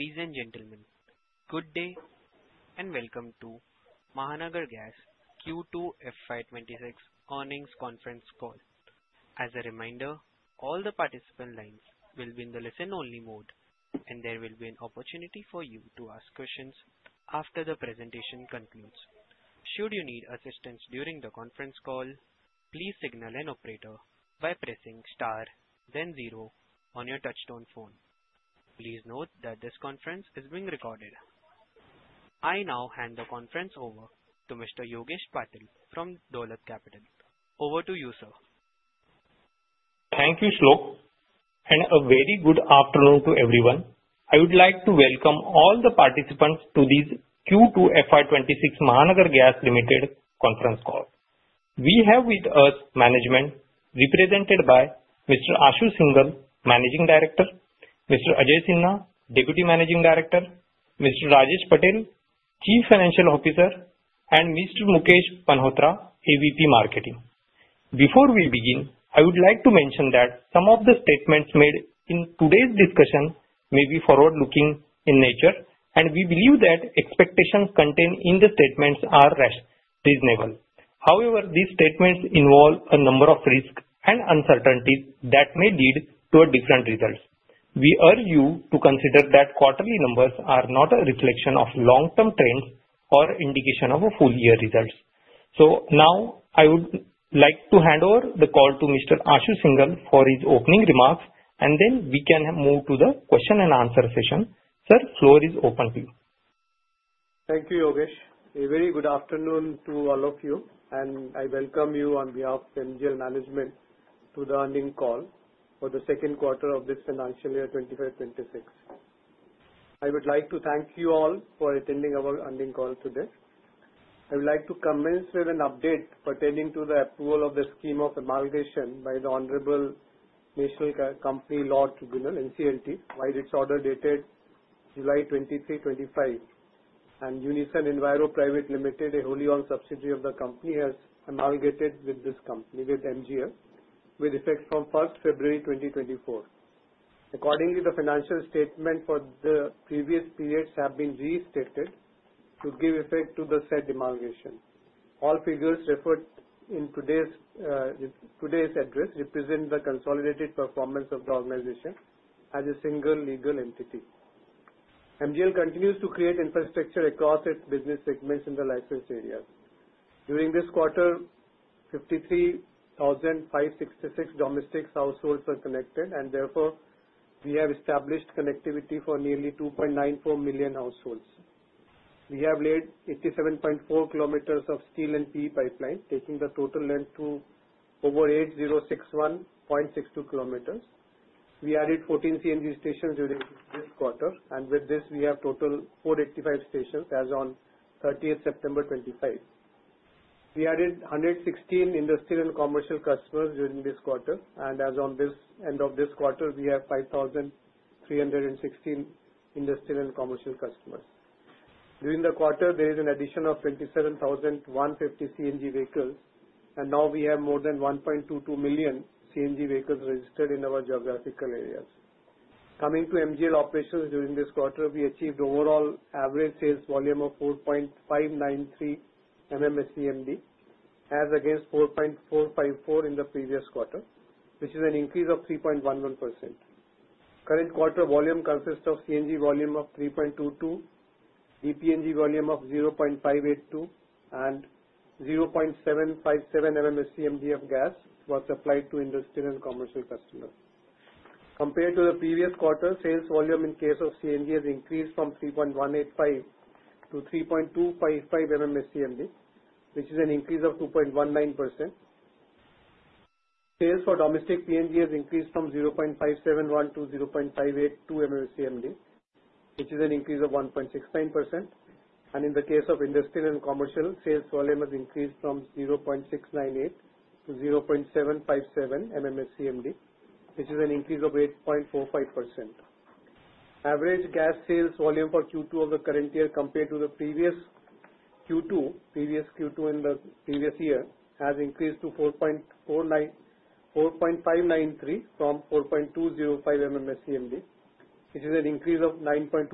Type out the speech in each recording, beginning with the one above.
Ladies and gentlemen, good day and welcome to Mahanagar Gas Q2 FY26 Earnings Conference Call. As a reminder, all the participant lines will be in the listen-only mode, and there will be an opportunity for you to ask questions after the presentation concludes. Should you need assistance during the Conference Call, please signal an operator by pressing star, then zero on your touch-tone phone. Please note that this Conference is being recorded. I now hand the Conference over to Mr. Yogesh Patil from Dolat Capital. Over to you, sir. Thank you, Shloka. And a very good afternoon to everyone. I would like to welcome all the participants to this Q2 FY26 Mahanagar Gas Limited Conference Call. We have with us management represented by Mr. Ashu Shinghal, Managing Director, Mr. Sanjoy Shende, Deputy Managing Director, Mr. Rajesh Patel, Chief Financial Officer, and Mr. Mukesh Panohtra, AVP Marketing. Before we begin, I would like to mention that some of the statements made in today's discussion may be forward-looking in nature, and we believe that expectations contained in the statements are reasonable. However, these statements involve a number of risks and uncertainties that may lead to different results. We urge you to consider that quarterly numbers are not a reflection of long-term trends or indication of full-year results. So now, I would like to hand over the call to Mr.Ashu Shinghal for his opening remarks, and then we can move to the question-and-answer session. Sir, floor is open to you. Thank you, Yogesh. A very good afternoon to all of you, and I welcome you on behalf of Dolat Capital to the Earnings Call for the second quarter of this financial year FY26. I would like to thank you all for attending our earnings call today. I would like to commence with an update pertaining to the approval of the scheme of amalgamation by the Honorable National Company Law Tribunal (NCLT), with its order dated July 23, 2025. And Unison Enviro Private Limited, a wholly owned subsidiary of the company, has amalgamated with the company, with MGL, with effect from 1st February 2024. Accordingly, the financial statements for the previous periods have been restated to give effect to the said amalgamation. All figures referred to in today's address represent the consolidated performance of the organization as a single legal entity. MGL continues to create infrastructure across its business segments in the licensed areas. During this quarter, 53,566 domestic households were connected, and therefore, we have established connectivity for nearly 2,094,000 households. We have laid 87.4 km of steel and PE pipeline, taking the total length to over 8061.62 km.We added 14 CNG stations during this quarter, and with this, we have a total of 485 stations as of 30th September 2025. We added 116 industrial and commercial customers during this quarter, and as of the end of this quarter, we have 5,316 industrial and commercial customers. During the quarter, there is an addition of 27,150 CNG vehicles, and now we have more than 1,220,000 CNG vehicles registered in our geographical areas. Coming to MGL operations during this quarter, we achieved an overall average sales volume of 4.593 MMSCMD, as against 4.454 in the previous quarter, which is an increase of 3.11%. Current quarter volume consists of CNG volume of 3.22, DPNG volume of 0.582, and 0.757 MMSCMD of gas that was supplied to industrial and commercial customers. Compared to the previous quarter, sales volume in case of CNG has increased from 3.185-3.255 MMSCMD, which is an increase of 2.19%. Sales for domestic PNG have increased from 0.571 -0.582 MMSCMD, which is an increase of 1.69%, and in the case of industrial and commercial, sales volume has increased from 0.698-0.757 MMSCMD, which is an increase of 8.45%. Average gas sales volume for Q2 of the current year compared to the previous Q2, previous Q2 in the previous year, has increased to 4.593 from 4.205 MMSCMD, which is an increase of 9.22%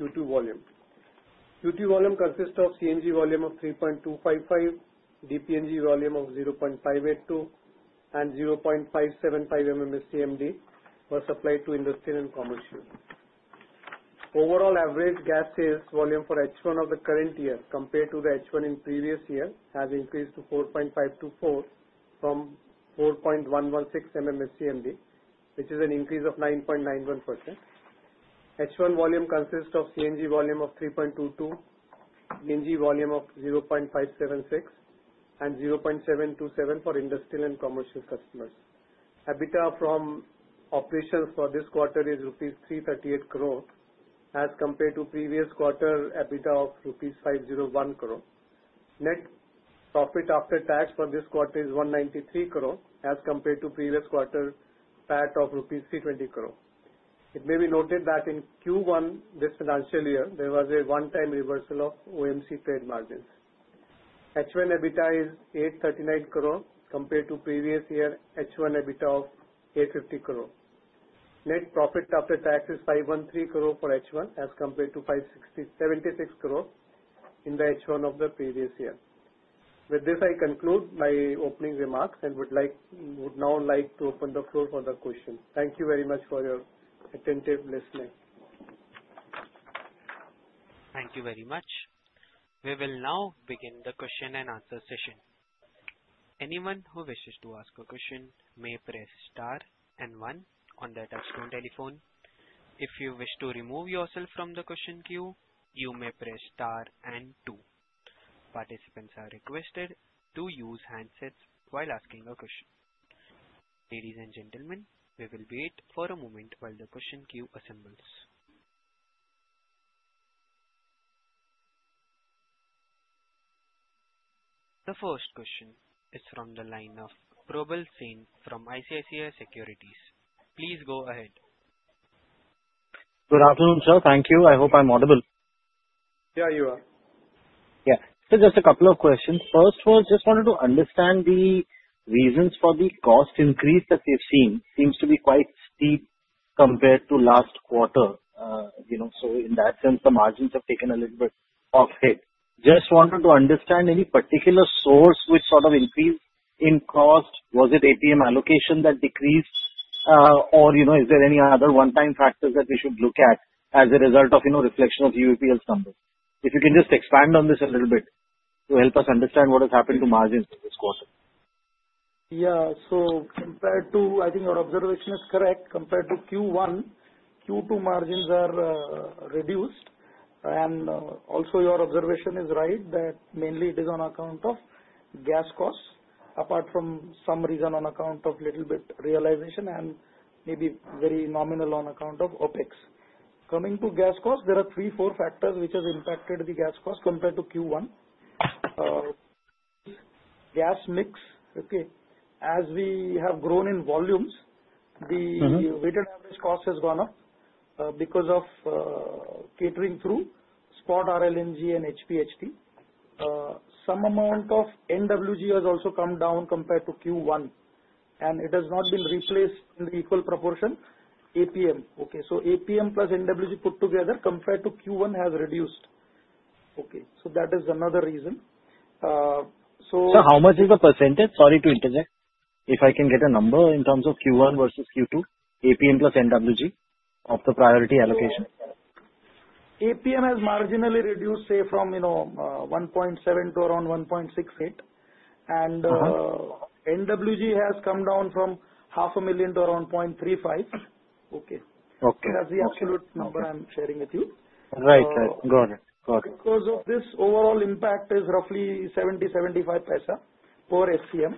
Q2 volume. Q2 volume consists of CNG volume of 3.255, DPNG volume of 0.582, and 0.575 MMSCMD that was supplied to industrial and commercial. Overall average gas sales volume for H1 of the current year compared to the H1 in previous year has increased to 4.524 from 4.116 MMSCMD, which is an increase of 9.91%. H1 volume consists of CNG volume of 3.22, DPNG volume of 0.576, and 0.727 for industrial and commercial customers. EBITDA from operations for this quarter is rupees 338 crore, as compared to previous quarter EBITDA of rupees 501 crore. Net profit after tax for this quarter is 193 crore, as compared to previous quarter PAT of rupees 320 crore.It may be noted that in Q1 this financial year, there was a one-time reversal of OMC trade margins. H1 EBITDA is 839 crore, compared to previous year H1 EBITDA of 850 crore. Net profit after tax is 513 crore for H1, as compared to 576 crore in the H1 of the previous year. With this, I conclude my opening remarks and would now like to open the floor for the questions. Thank you very much for your attentive listening. Thank you very much. We will now begin the question-and-answer session. Anyone who wishes to ask a question may press star and one on their touchscreen telephone. If you wish to remove yourself from the question queue, you may press star and two. Participants are requested to use handsets while asking a question. Ladies and gentlemen, we will wait for a moment while the question queue assembles. The first question is from the line of Probal Sen from ICICI Securities. Please go ahead. Good afternoon, sir. Thank you. I hope I'm audible. Yeah, you are. Yeah. So just a couple of questions. First was just wanted to understand the reasons for the cost increase that we've seen, seems to be quite steep compared to last quarter. So in that sense, the margins have taken a little bit off it. Just wanted to understand any particular source which sort of increased in cost. Was it APM allocation that decreased, or is there any other one-time factors that we should look at as a result of reflection of UEPL's numbers? If you can just expand on this a little bit to help us understand what has happened to margins this quarter. Yeah. So, compared to, I think your observation is correct. Compared to Q1, Q2 margins are reduced. And also, your observation is right that mainly it is on account of gas costs, apart from some reason on account of a little bit realization and maybe very nominal on account of OpEx. Coming to gas costs, there are three, four factors which have impacted the gas cost compared to Q1. Gas mix, okay, as we have grown in volumes, the weighted average cost has gone up because of catering through spot RLNG and HPHT. Some amount of NWG has also come down compared to Q1, and it has not been replaced in the equal proportion, APM.Okay. So APM plus NWG put together compared to Q1 has reduced. Okay. So that is another reason. So. So how much is the percentage? Sorry to interject. If I can get a number in terms of Q1 versus Q2, APM plus NWG of the priority allocation. APM has marginally reduced, say, from 1.7-around 1.68, and NWG has come down from $500,000- around $350,000. Okay. Okay. That's the absolute number I'm sharing with you. Right, right. Got it. Got it. Because of this, overall impact is roughly 70-75 paisa per SCM.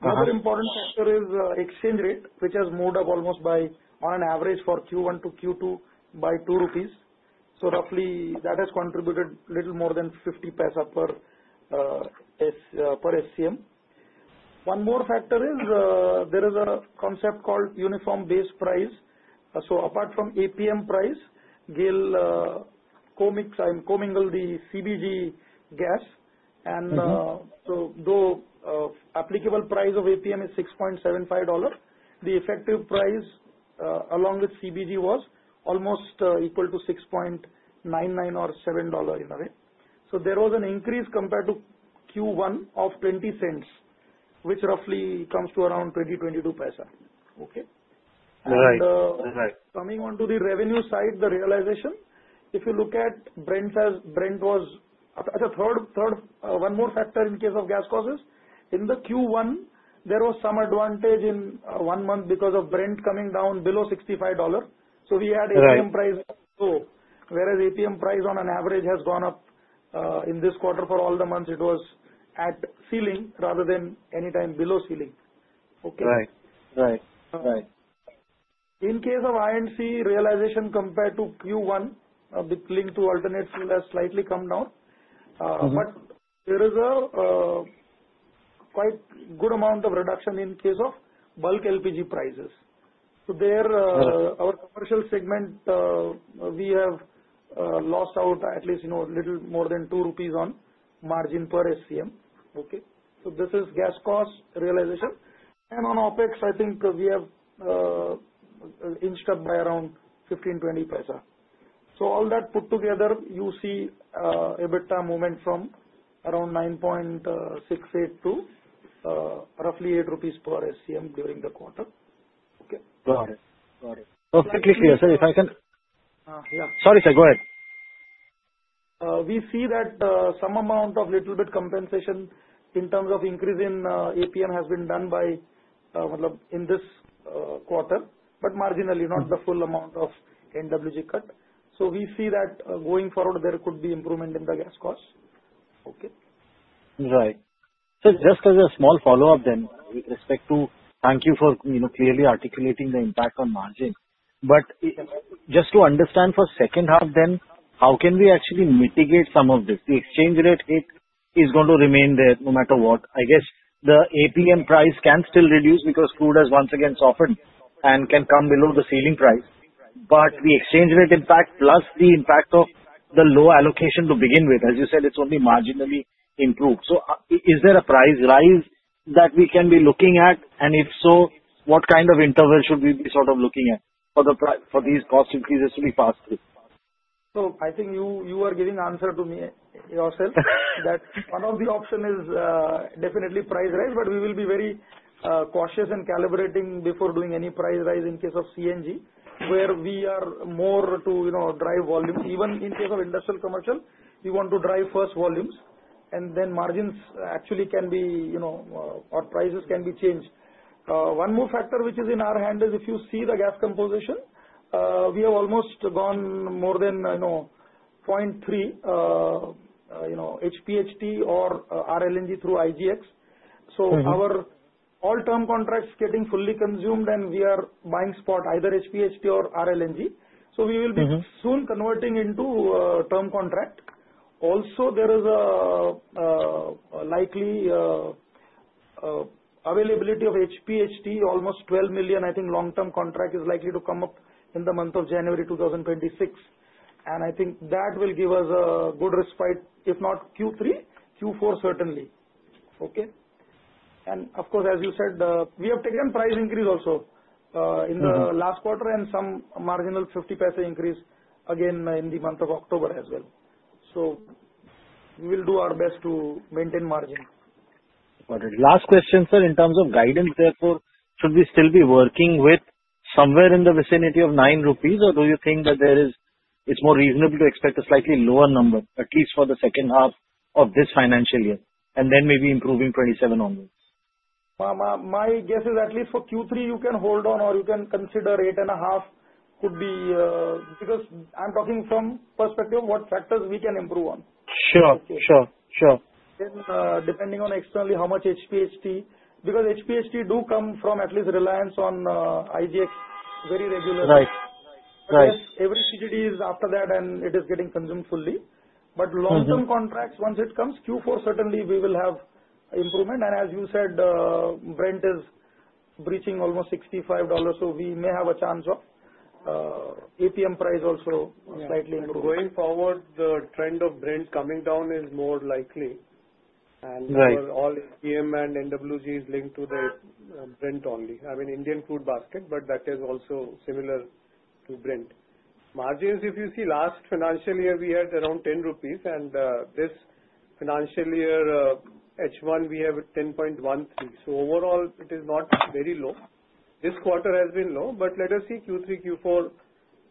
Another important factor is exchange rate, which has moved up almost by, on average, for Q1 - Q2 by 2 rupees. So roughly, that has contributed a little more than 50 paisa per SCM. One more factor is there is a concept called uniform base price. So apart from APM price, GAIL commingled the CBG gas, and so though applicable price of APM is $6.75, the effective price along with CBG was almost equal to $6.99 or $7 in a way. So there was an increase compared to Q1 of 20 cents, which roughly comes to around 20-22 paisa. Okay. Right. Right. Coming on to the revenue side, the realization, if you look at Brent as Brent was. Actually, one more factor in case of gas costs. In the Q1, there was some advantage in one month because of Brent coming down below $65, so we had APM price go up, whereas APM price on average has gone up in this quarter for all the months. It was at ceiling rather than anytime below ceiling. Okay. Right. Right. Right. In case of I&C realization compared to Q1, linked to alternate fuel has slightly come down. But there is a quite good amount of reduction in case of bulk LPG prices. So there, our commercial segment, we have lost out at least a little more than 2 rupees on margin per SCM. Okay. So this is gas cost realization. And on OpEx, I think we have inched up by around 0.15-0.20. So all that put together, you see EBITDA movement from around 9.68 to roughly 8 rupees per SCM during the quarter. Okay. Got it. Got it. Perfectly clear. Sir, if I can. Yeah. Sorry, sir. Go ahead. We see that some amount of little bit compensation in terms of increase in APM has been done in this quarter, but marginally, not the full amount of NWG cut. So we see that going forward, there could be improvement in the gas cost. Okay. Right. So just as a small follow-up then, with respect to, thank you for clearly articulating the impact on margin. But just to understand for second half then, how can we actually mitigate some of this? The exchange rate hit is going to remain there no matter what. I guess the APM price can still reduce because crude has once again softened and can come below the ceiling price. But the exchange rate impact plus the impact of the low allocation to begin with, as you said, it's only marginally improved. So is there a price rise that we can be looking at? And if so, what kind of interval should we be sort of looking at for these cost increases to be passed through? So I think you are giving the answer to me yourself that one of the options is definitely price rise, but we will be very cautious and calibrating before doing any price rise in case of CNG, where we are more to drive volume. Even in case of industrial commercial, we want to drive first volumes, and then margins actually can be or prices can be changed. One more factor which is in our hand is if you see the gas composition, we have almost gone more than 0.3 HPHT or RLNG through IGX. So our all term contracts are getting fully consumed, and we are buying spot either HPHT or RLNG. So we will be soon converting into term contract. Also, there is a likely availability of HPHT, almost 12,000,000. I think long-term contract is likely to come up in the month of January 2026.And I think that will give us a good respite, if not Q3, Q4 certainly. Okay. And of course, as you said, we have taken price increase also in the last quarter and some marginal 0.50 increase again in the month of October as well. So we will do our best to maintain margin. Got it. Last question, sir. In terms of guidance, therefore, should we still be working with somewhere in the vicinity of 9 rupees, or do you think that it is more reasonable to expect a slightly lower number, at least for the second half of this financial year, and then maybe improving 27 onwards? My guess is at least for Q3, you can hold on, or you can consider 8.5 could be, because I'm talking from perspective of what factors we can improve on. Sure. Depending on externally how much HPHT, because HPHT do come from at least Reliance on IGX very regularly. Right. Right. But every CGD is after that, and it is getting consumed fully. But long-term contracts, once it comes Q4, certainly we will have improvement. And as you said, Brent is breaching almost $65, so we may have a chance of APM price also slightly improving. Going forward, the trend of Brent coming down is more likely, and all APM and NWG is linked to the Brent only. I mean, Indian crude basket, but that is also similar to Brent. Margins, if you see, last financial year, we had around 10 rupees, and this financial year, H1, we have 10.13. So overall, it is not very low. This quarter has been low, but let us see Q3, Q4,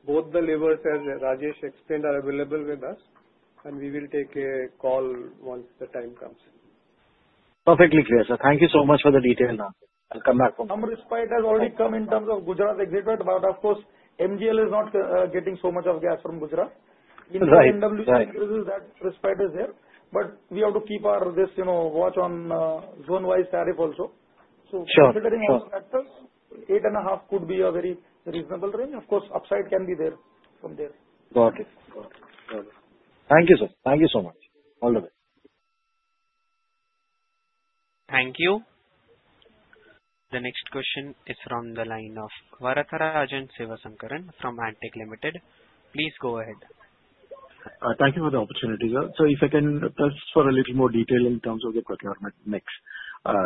both the levers, as Rajesh explained, are available with us, and we will take a call once the time comes. Perfectly clear, sir. Thank you so much for the detail now. I'll come back from. Some respite has already come in terms of Gujarat tax, but of course, MGL is not getting so much of gas from Gujarat. Right. In the NWG increases, that respite is there. But we have to keep our watch on zone-wise tariff also. Sure. So considering all the factors, 8.5 could be a very reasonable range. Of course, upside can be there from there. Got it. Got it. Got it. Thank you, sir. Thank you so much. All the best. Thank you. The next question is from the line of Varatharajan Sivasankaran from Antique Stock Broking. Please go ahead. Thank you for the opportunity, sir. So if I can just for a little more detail in terms of the procurement mix,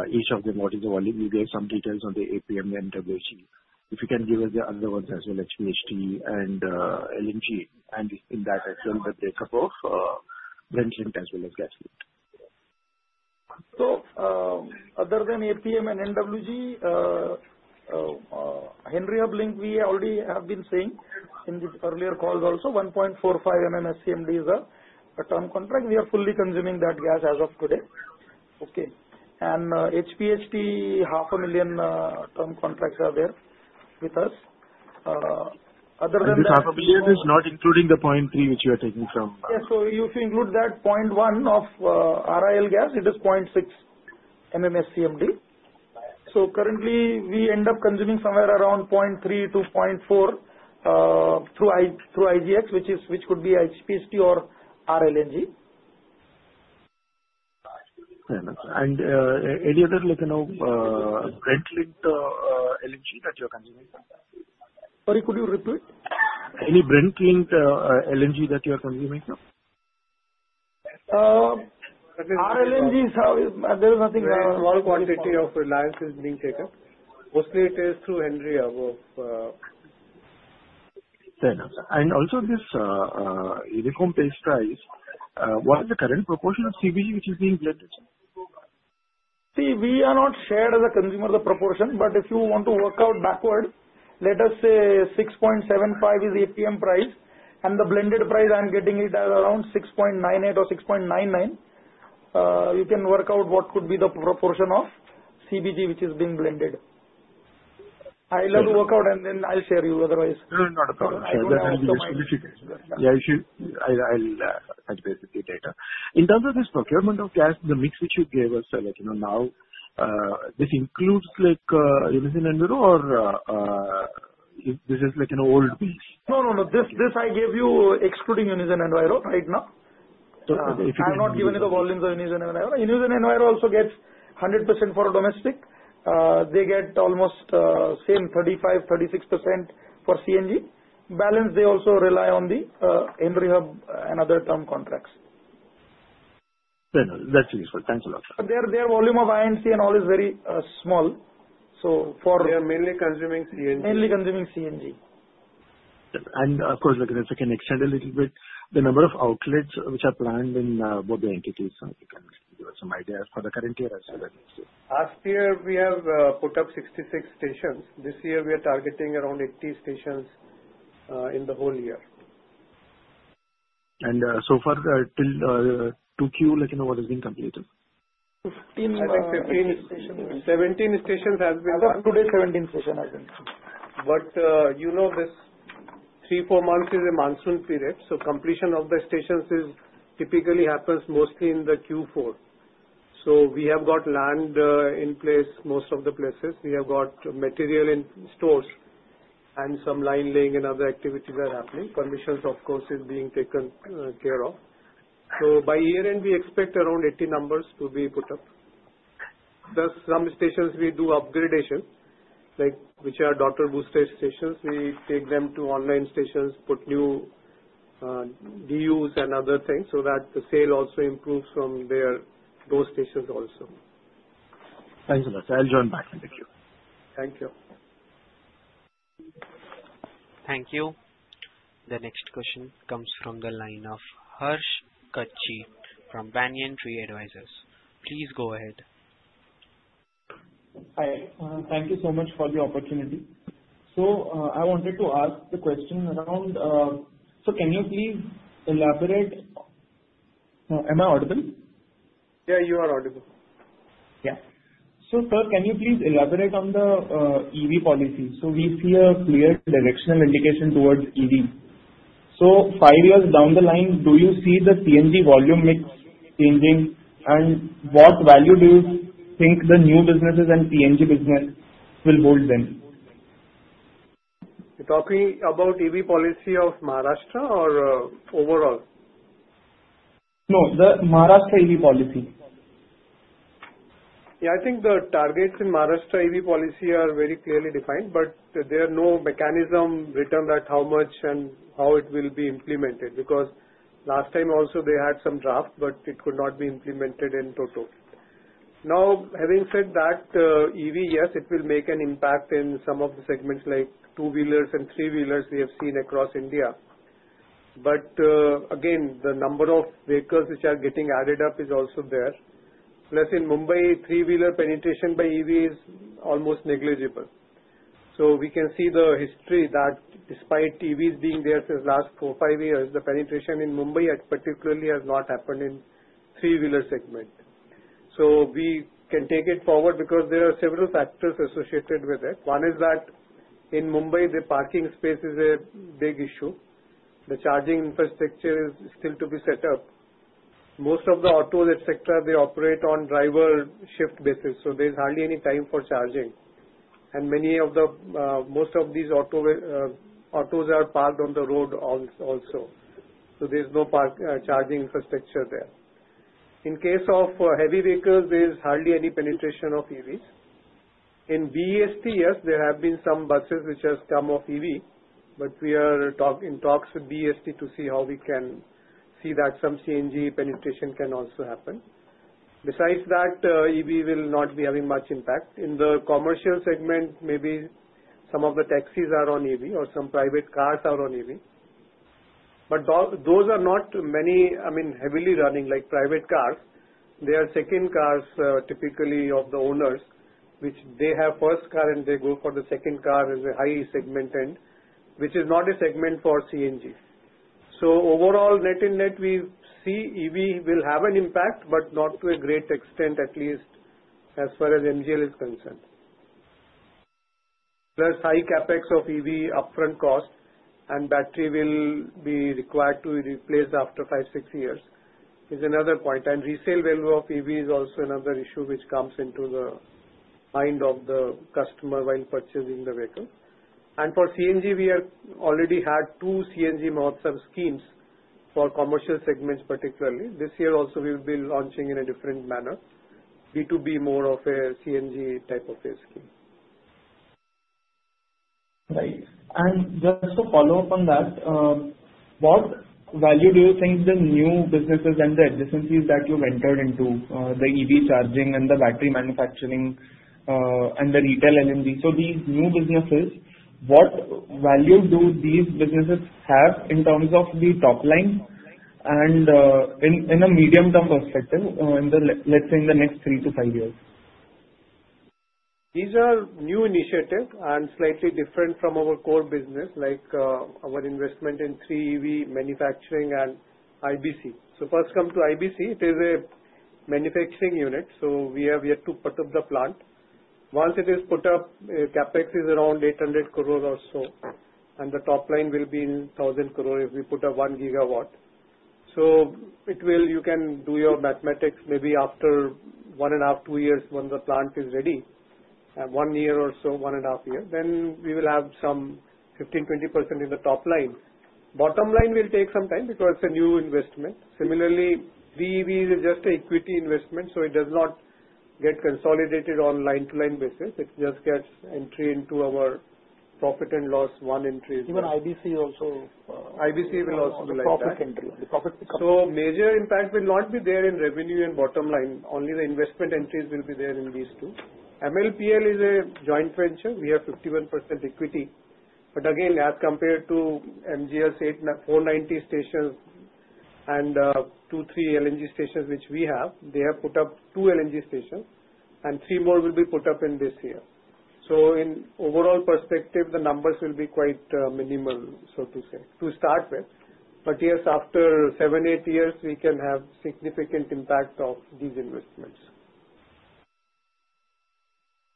each of them, what is the volume? You gave some details on the APM and NWG. If you can give us the other ones as well, HPHT and LNG, and in that as well, the breakup of Brent-linked as well as gas-linked. So other than APM and NWG, Henry Hub-linked, we already have been saying in the earlier calls also, 1.45 SCMD is a term contract. We are fully consuming that gas as of today. Okay. And HPHT, 500,000 term contracts are there with us. Other than that. 500,000 is not including the 0.3 which you are taking from. Yes. So if you include that 0.1 of RIL gas, it is 0.6 SCMD. So currently, we end up consuming somewhere around 0.3-0.4 through IGX, which could be HPHT or RLNG. Any other Brent-linked [inaudible] LNG that you are consuming? Sorry, could you repeat? Any Brent-linked LNG that you are consuming? RLNG, there is nothing. Small quantity of Reliance is being taken. Mostly, it is through Henry Hub of. ` And also this uniform base price, what is the current proportion of CBG which is being blended? See, we have not shared the proportion with the consumer, but if you want to work out backward, let us say 6.75 is the APM price, and the blended price I'm getting it as around 6.98 or 6.99. You can work out what could be the proportion of CBG which is being blended. I'll work out, and then I'll share with you. Otherwise. Not a problem. Yeah, I'll touch base with you later. In terms of this procurement of gas, the mix which you gave us, now, this includes Unison Enviro, or this is an old mix? No, no, no. This I gave you excluding Unison Enviro right now. I have not given you the volumes of Unison Enviro. Unison Enviro also gets 100% for domestic. They get almost same 35%-36% for CNG. Balance, they also rely on the Henry Hub and other term contracts. That's useful. Thanks a lot. But their volume of I&C and all is very small. So for. They are mainly consuming CNG. Mainly consuming CNG. Of course, if I can extend a little bit, the number of outlets which are planned in both the entities, if you can give us some idea for the current year as well. Last year, we have put up 66 stations. This year, we are targeting around 80 stations in the whole year. So far, till Q2, what has been completed? 15, I think 15 stations. 17 stations have been completed. As of today, 17 stations have been completed. But you know, this three, four months is a monsoon period. So completion of the stations typically happens mostly in the Q4. So we have got land in place most of the places. We have got material in stores, and some line laying and other activities are happening. Permissions, of course, are being taken care of. So by year-end, we expect around 80 numbers to be put up. Plus, some stations, we do upgradation, which are daughter booster stations. We take them to online stations, put new DUs and other things so that the sale also improves from those stations also. Thanks a lot. I'll join back in a few. Thank you. Thank you. The next question comes from the line of Harsh Kachchhi from Banyan Tree Advisors. Please go ahead. Hi. Thank you so much for the opportunity. So I wanted to ask the question around, so can you please elaborate? Am I audible? Yeah, you are audible. Yeah. So sir, can you please elaborate on the EV policy? So we see a clear directional indication towards EV. So 5 years down the line, do you see the PNG volume mix changing, and what value do you think the new businesses and PNG business will hold then? You're talking about EV policy of Maharashtra or overall? No, the Maharashtra EV policy. Yeah, I think the targets in Maharashtra EV policy are very clearly defined, but there is no mechanism written that how much and how it will be implemented because last time also, they had some draft, but it could not be implemented in total. Now, having said that, EV, yes, it will make an impact in some of the segments like two-wheelers and three-wheelers we have seen across India. But again, the number of vehicles which are getting added up is also there. Plus, in Mumbai, 3-wheeler penetration by EV is almost negligible. So we can see the history that despite EVs being there since last four, five years, the penetration in Mumbai particularly has not happened in three-wheeler segment. So we can take it forward because there are several factors associated with it. One is that in Mumbai, the parking space is a big issue. The charging infrastructure is still to be set up. Most of the autos, etc., they operate on driver-shift basis. So there is hardly any time for charging. And many of the most of these autos are parked on the road also. So there is no charging infrastructure there. In case of heavy vehicles, there is hardly any penetration of EVs. In BEST, yes, there have been some buses which have come off EV, but we are in talks with BEST to see how we can see that some CNG penetration can also happen. Besides that, EV will not be having much impact. In the commercial segment, maybe some of the taxis are on EV or some private cars are on EV. But those are not many, I mean, heavily running like private cars. They are second cars, typically of the owners, which they have first car, and they go for the second car as a high segment end, which is not a segment for CNG. So overall, net in net, we see EV will have an impact, but not to a great extent, at least as far as MGL is concerned. Plus, high CAPEX of EV upfront cost and battery will be required to be replaced after five, six years is another point. And resale value of EV is also another issue which comes into the mind of the customer while purchasing the vehicle. And for CNG, we have already had two CNG modes of schemes for commercial segments, particularly. This year also, we will be launching in a different manner, B2B more of a CNG type of a scheme. Right. And just to follow up on that, what value do you think the new businesses and the investments that you've entered into, the EV charging and the battery manufacturing and the retail LNG, so these new businesses, what value do these businesses have in terms of the top line and in a medium-term perspective, let's say in the next three to five years? These are new initiatives and slightly different from our core business, like our investment in 3EV manufacturing and IBC. So first come to IBC. It is a manufacturing unit, so we have yet to put up the plant. Once it is put up, CAPEX is around 800 crore or so, and the top line will be 1,000 crore if we put up one gigawatt. So you can do your mathematics. Maybe after one and a half, two years, when the plant is ready, one year or so, one and a half year, then we will have some 15%-20% in the top line. Bottom line will take some time because it's a new investment. Similarly, 3EV is just an equity investment, so it does not get consolidated on line-to-line basis. It just gets entry into our profit and loss one entry. Even IBC also. IBC will also be like that. Profit entry. The profit. So major impact will not be there in revenue and bottom line. Only the investment entries will be there in these two. MLPL is a joint venture. We have 51% equity. But again, as compared to MGL's 490 stations and 2,3 LNG stations which we have, they have put up 2 LNG stations, and three more will be put up in this year. So in overall perspective, the numbers will be quite minimal, so to say, to start with. But yes, after 7,8years, we can have significant impact of these investments.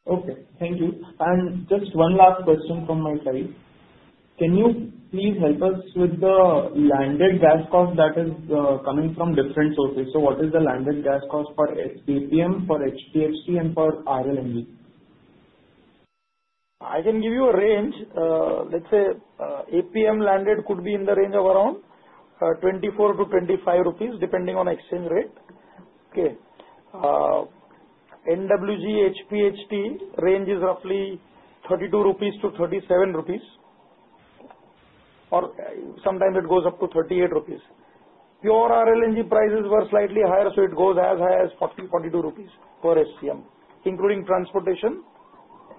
Okay. Thank you. And just one last question from my side. Can you please help us with the landed gas cost that is coming from different sources? So what is the landed gas cost for APM, for HPHT, and for RLNG? I can give you a range. Let's say APM landed could be in the range of around 24-25 rupees, depending on exchange rate. Okay. NWG, HPHT range is roughly 32-37 rupees, or sometimes it goes up to 38 rupees. Pure RLNG prices were slightly higher, so it goes as high as 40-42 rupees per SCM, including transportation,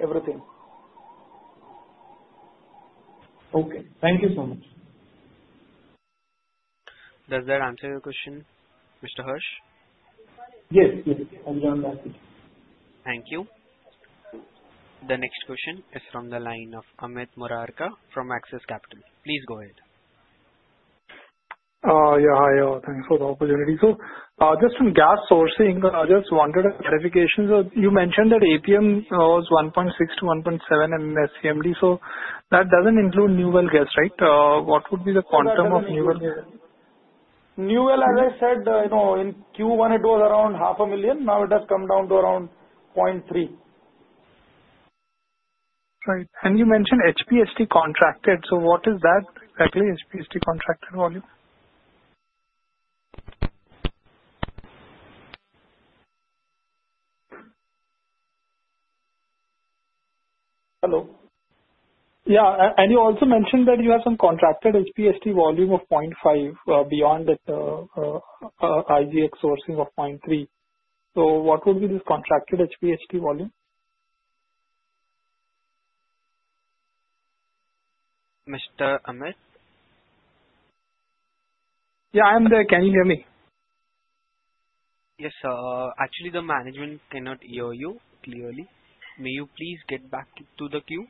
everything. Okay. Thank you so much. Does that answer your question, Mr. Harsh? Yes. I'll join back. Thank you. The next question is from the line of Amit Murarka from Axis Capital. Please go ahead. Yeah. Hi. Thanks for the opportunity. So just from gas sourcing, I just wanted a clarification. So you mentioned that APM was 1.6-1.7 SCMD, so that doesn't include new well gas, right? What would be the quantum of new well gas? New well, as I said, in Q1, it was around 500,000. Now it has come down to around 300,000. Right. And you mentioned HPHT contracted. So what is that exactly, HPHT contracted volume? Hello? Yeah. And you also mentioned that you have some contracted HPHT volume of 0.5 beyond IGX sourcing of 0.3. So what would be this contracted HPHT volume? Mr. Amit? Yeah. I'm there. Can you hear me? Yes. Actually, the management cannot hear you clearly. May you please get back to the queue?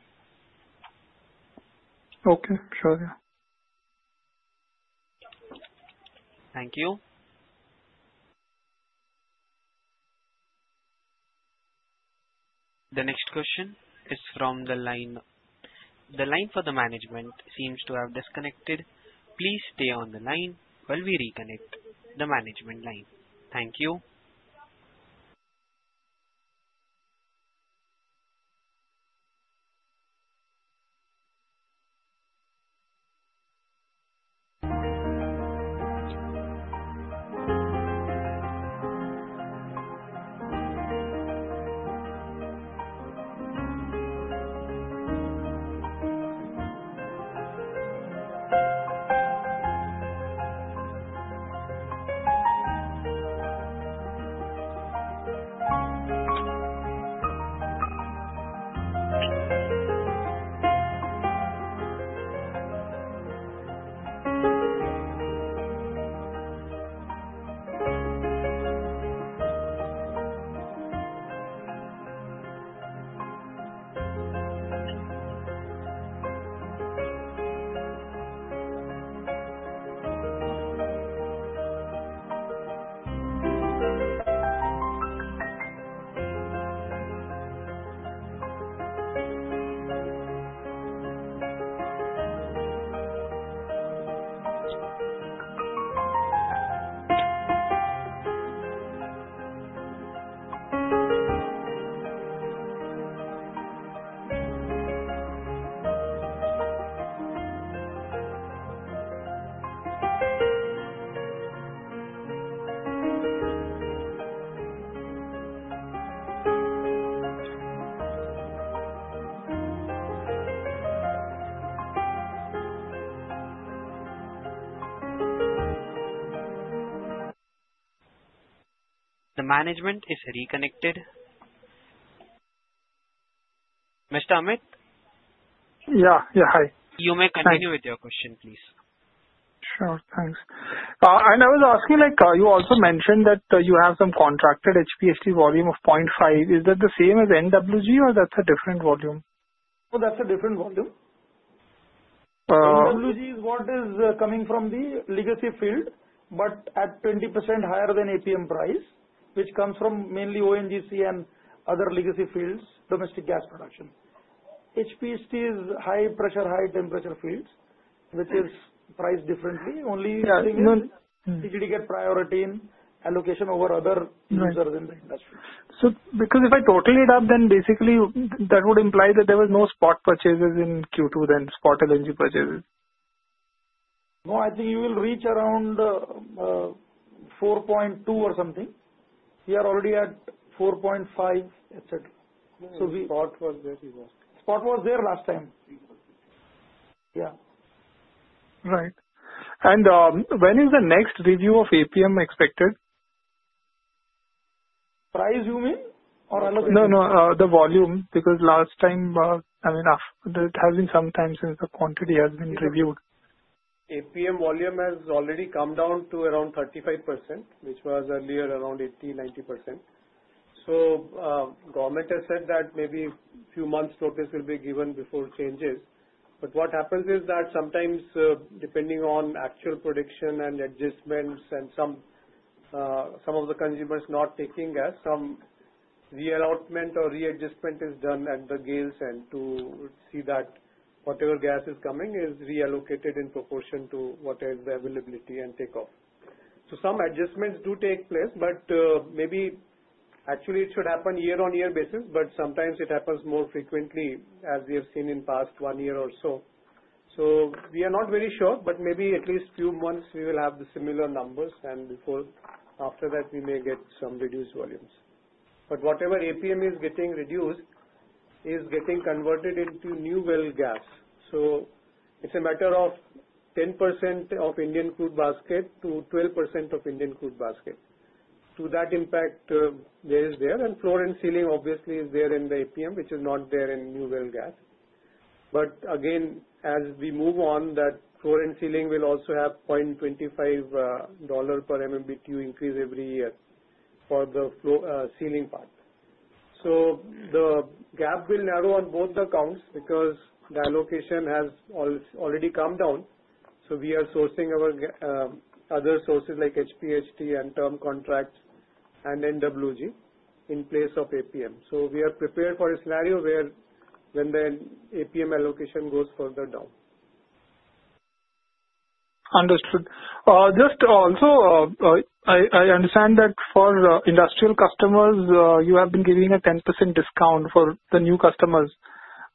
Okay. Sure. Yeah. Thank you. The next question is from the line. The line for the management seems to have disconnected. Please stay on the line while we reconnect the management line. Thank you. The management is reconnected. Mr. Amit? Yeah. Yeah. Hi. You may continue with your question, please. Sure. Thanks. And I was asking, you also mentioned that you have some contracted HPHT volume of 0.5. Is that the same as NWG, or that's a different volume? Oh, that's a different volume. NWG is what is coming from the legacy field, but at 20% higher than APM price, which comes from mainly ONGC and other legacy fields, domestic gas production. HPHT is high pressure, high temperature fields, which is priced differently. Only I think it's CGD get priority in allocation over other users in the industry. So because if I totally add up, then basically that would imply that there were no spot purchases in Q2, then spot LNG purchases. No, I think you will reach around 4.2 or something. We are already at 4.5, etc. Spot was there. Spot was there last time. Yeah. Right. And when is the next review of APM expected? Price, you mean, or allocation? No, no. The volume. Because last time, I mean, it has been some time since the quantity has been reviewed. APM volume has already come down to around 35%, which was earlier around 80-90%. So government has said that maybe a few months' notice will be given before changes. But what happens is that sometimes, depending on actual prediction and adjustments and some of the consumers not taking gas, some reallotment or readjustment is done at the GA's end to see that whatever gas is coming is reallocated in proportion to whatever the availability and takeoff. So some adjustments do take place, but maybe actually it should happen year-on-year basis, but sometimes it happens more frequently, as we have seen in past one year or so. So we are not very sure, but maybe at least a few months, we will have the similar numbers, and after that, we may get some reduced volumes. But whatever APM is getting reduced is getting converted into new well gas. So it's a matter of 10% of Indian crude basket to 12% of Indian crude basket. To that impact, there is there. And floor and ceiling, obviously, is there in the APM, which is not there in new well gas. But again, as we move on, that floor and ceiling will also have $0.25 per MMBTU increase every year for the ceiling part. So the gap will narrow on both accounts because the allocation has already come down. So we are sourcing our other sources like HPHT and term contracts and NWG in place of APM. So we are prepared for a scenario where then the APM allocation goes further down. Understood. Just also, I understand that for industrial customers, you have been giving a 10% discount for the new customers.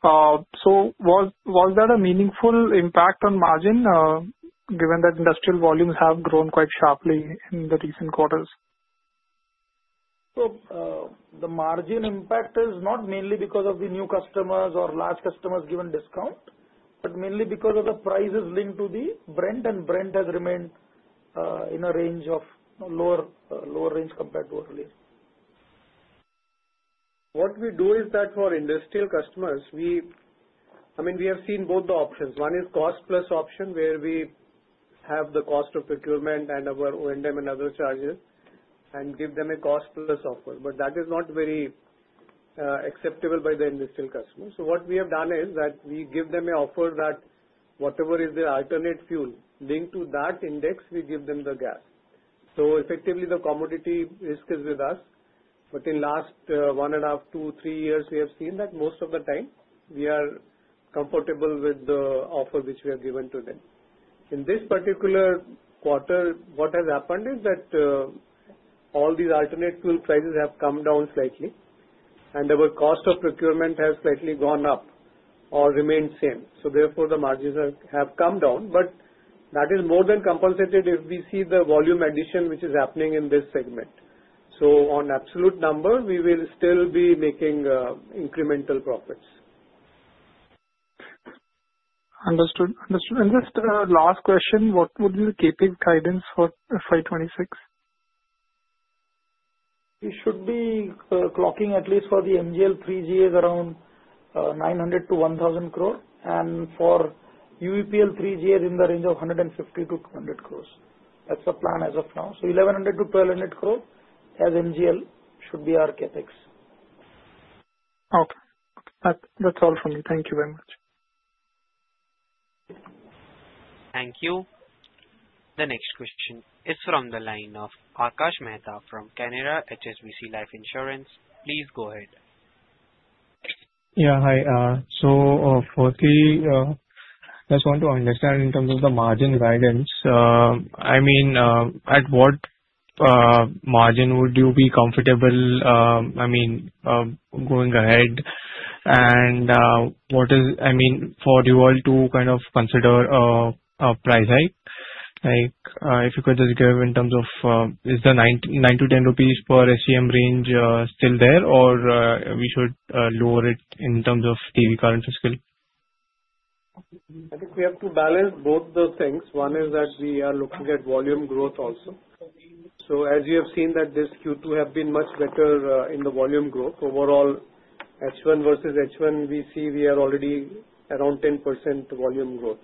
So was that a meaningful impact on margin, given that industrial volumes have grown quite sharply in the recent quarters? So the margin impact is not mainly because of the new customers or large customers given discount, but mainly because of the prices linked to the Brent, and Brent has remained in a range of lower range compared to earlier. What we do is that for industrial customers, I mean, we have seen both the options. One is cost-plus option, where we have the cost of procurement and our O&M and other charges and give them a cost-plus offer. But that is not very acceptable by the industrial customers. So what we have done is that we give them an offer that whatever is the alternate fuel linked to that index, we give them the gas. So effectively, the commodity risk is with us. But in the last one and a half, two, three years, we have seen that most of the time, we are comfortable with the offer which we have given to them. In this particular quarter, what has happened is that all these alternate fuel prices have come down slightly, and our cost of procurement has slightly gone up or remained same. So therefore, the margins have come down. But that is more than compensated if we see the volume addition which is happening in this segment. So on absolute number, we will still be making incremental profits. Understood. Understood. And just last question, what would be the KPI guidance for FY26? We should be clocking at least for the MGL three GAs around 900-1,000 crore, and for UEPL three GAs in the range of 150-200 crores. That's the plan as of now. So 1,100- 1,200 crore as MGL should be our CAPEX. Okay. That's all from me. Thank you very much. Thank you. The next question is from the line of Akash Mehta from Canara HSBC Life Insurance. Please go ahead. Yeah. Hi. So firstly, I just want to understand in terms of the margin guidance. I mean, at what margin would you be comfortable, I mean, going ahead? And what is, I mean, for you all to kind of consider a price hike? If you could just give in terms of, is the 9-10 rupees per SCM range still there, or we should lower it in terms of the current fiscal? I think we have to balance both those things. One is that we are looking at volume growth also. So as you have seen that this Q2 has been much better in the volume growth. Overall, H1 versus H1, we see we are already around 10% volume growth,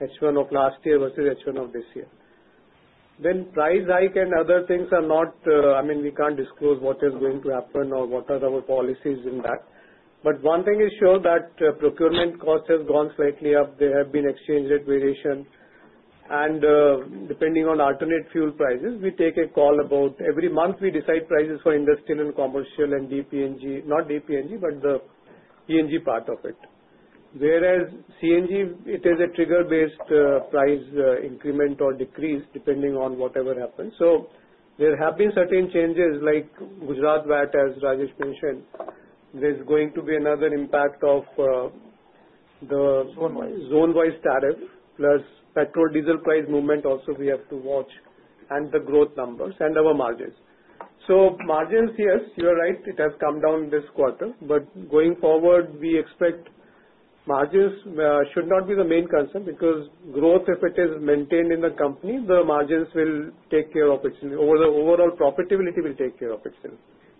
H1 of last year versus H1 of this year. Then price hike and other things are not, I mean, we can't disclose what is going to happen or what are our policies in that. But one thing is sure that procurement cost has gone slightly up. There have been exchange rate variation. And depending on alternate fuel prices, we take a call about every month, we decide prices for industrial and commercial and DPNG, not DPNG, but the PNG part of it. Whereas CNG, it is a trigger-based price increment or decrease depending on whatever happens. So there have been certain changes like Gujarat VAT, as Rajesh mentioned. There's going to be another impact of the. Zone-wise. Zone-wise tariff plus petrol diesel price movement also we have to watch and the growth numbers and our margins. So margins, yes, you are right. It has come down this quarter. But going forward, we expect margins should not be the main concern because growth, if it is maintained in the company, the margins will take care of itself. Overall profitability will take care of itself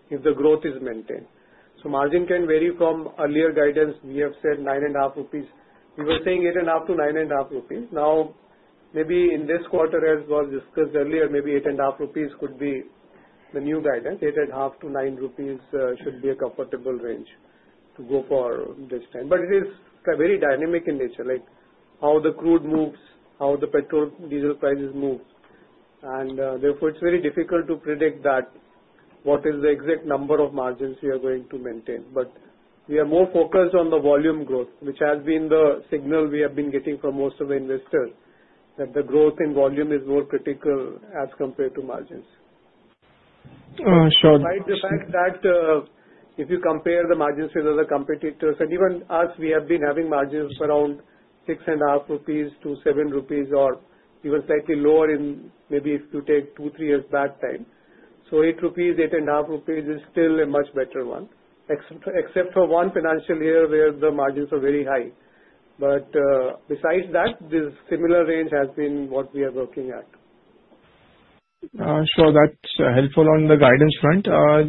if the growth is maintained. So margin can vary from earlier guidance. We have said 9.5 rupees. We were saying 8.5-9.5 rupees. Now, maybe in this quarter, as was discussed earlier, maybe 8.5 rupees could be the new guidance. 8.5-9 rupees should be a comfortable range to go for this time. But it is very dynamic in nature, like how the crude moves, how the petrol diesel prices move. And therefore, it's very difficult to predict that what is the exact number of margins we are going to maintain. But we are more focused on the volume growth, which has been the signal we have been getting from most of the investors that the growth in volume is more critical as compared to margins. Sure. Despite the fact that if you compare the margins with other competitors, and even us, we have been having margins around 6.5 rupees to 7 rupees or even slightly lower in maybe if you take two, three years back time. So 8 rupees, 8.5 rupees is still a much better one, except for one financial year where the margins are very high. But besides that, this similar range has been what we are working at. Sure. That's helpful on the guidance front.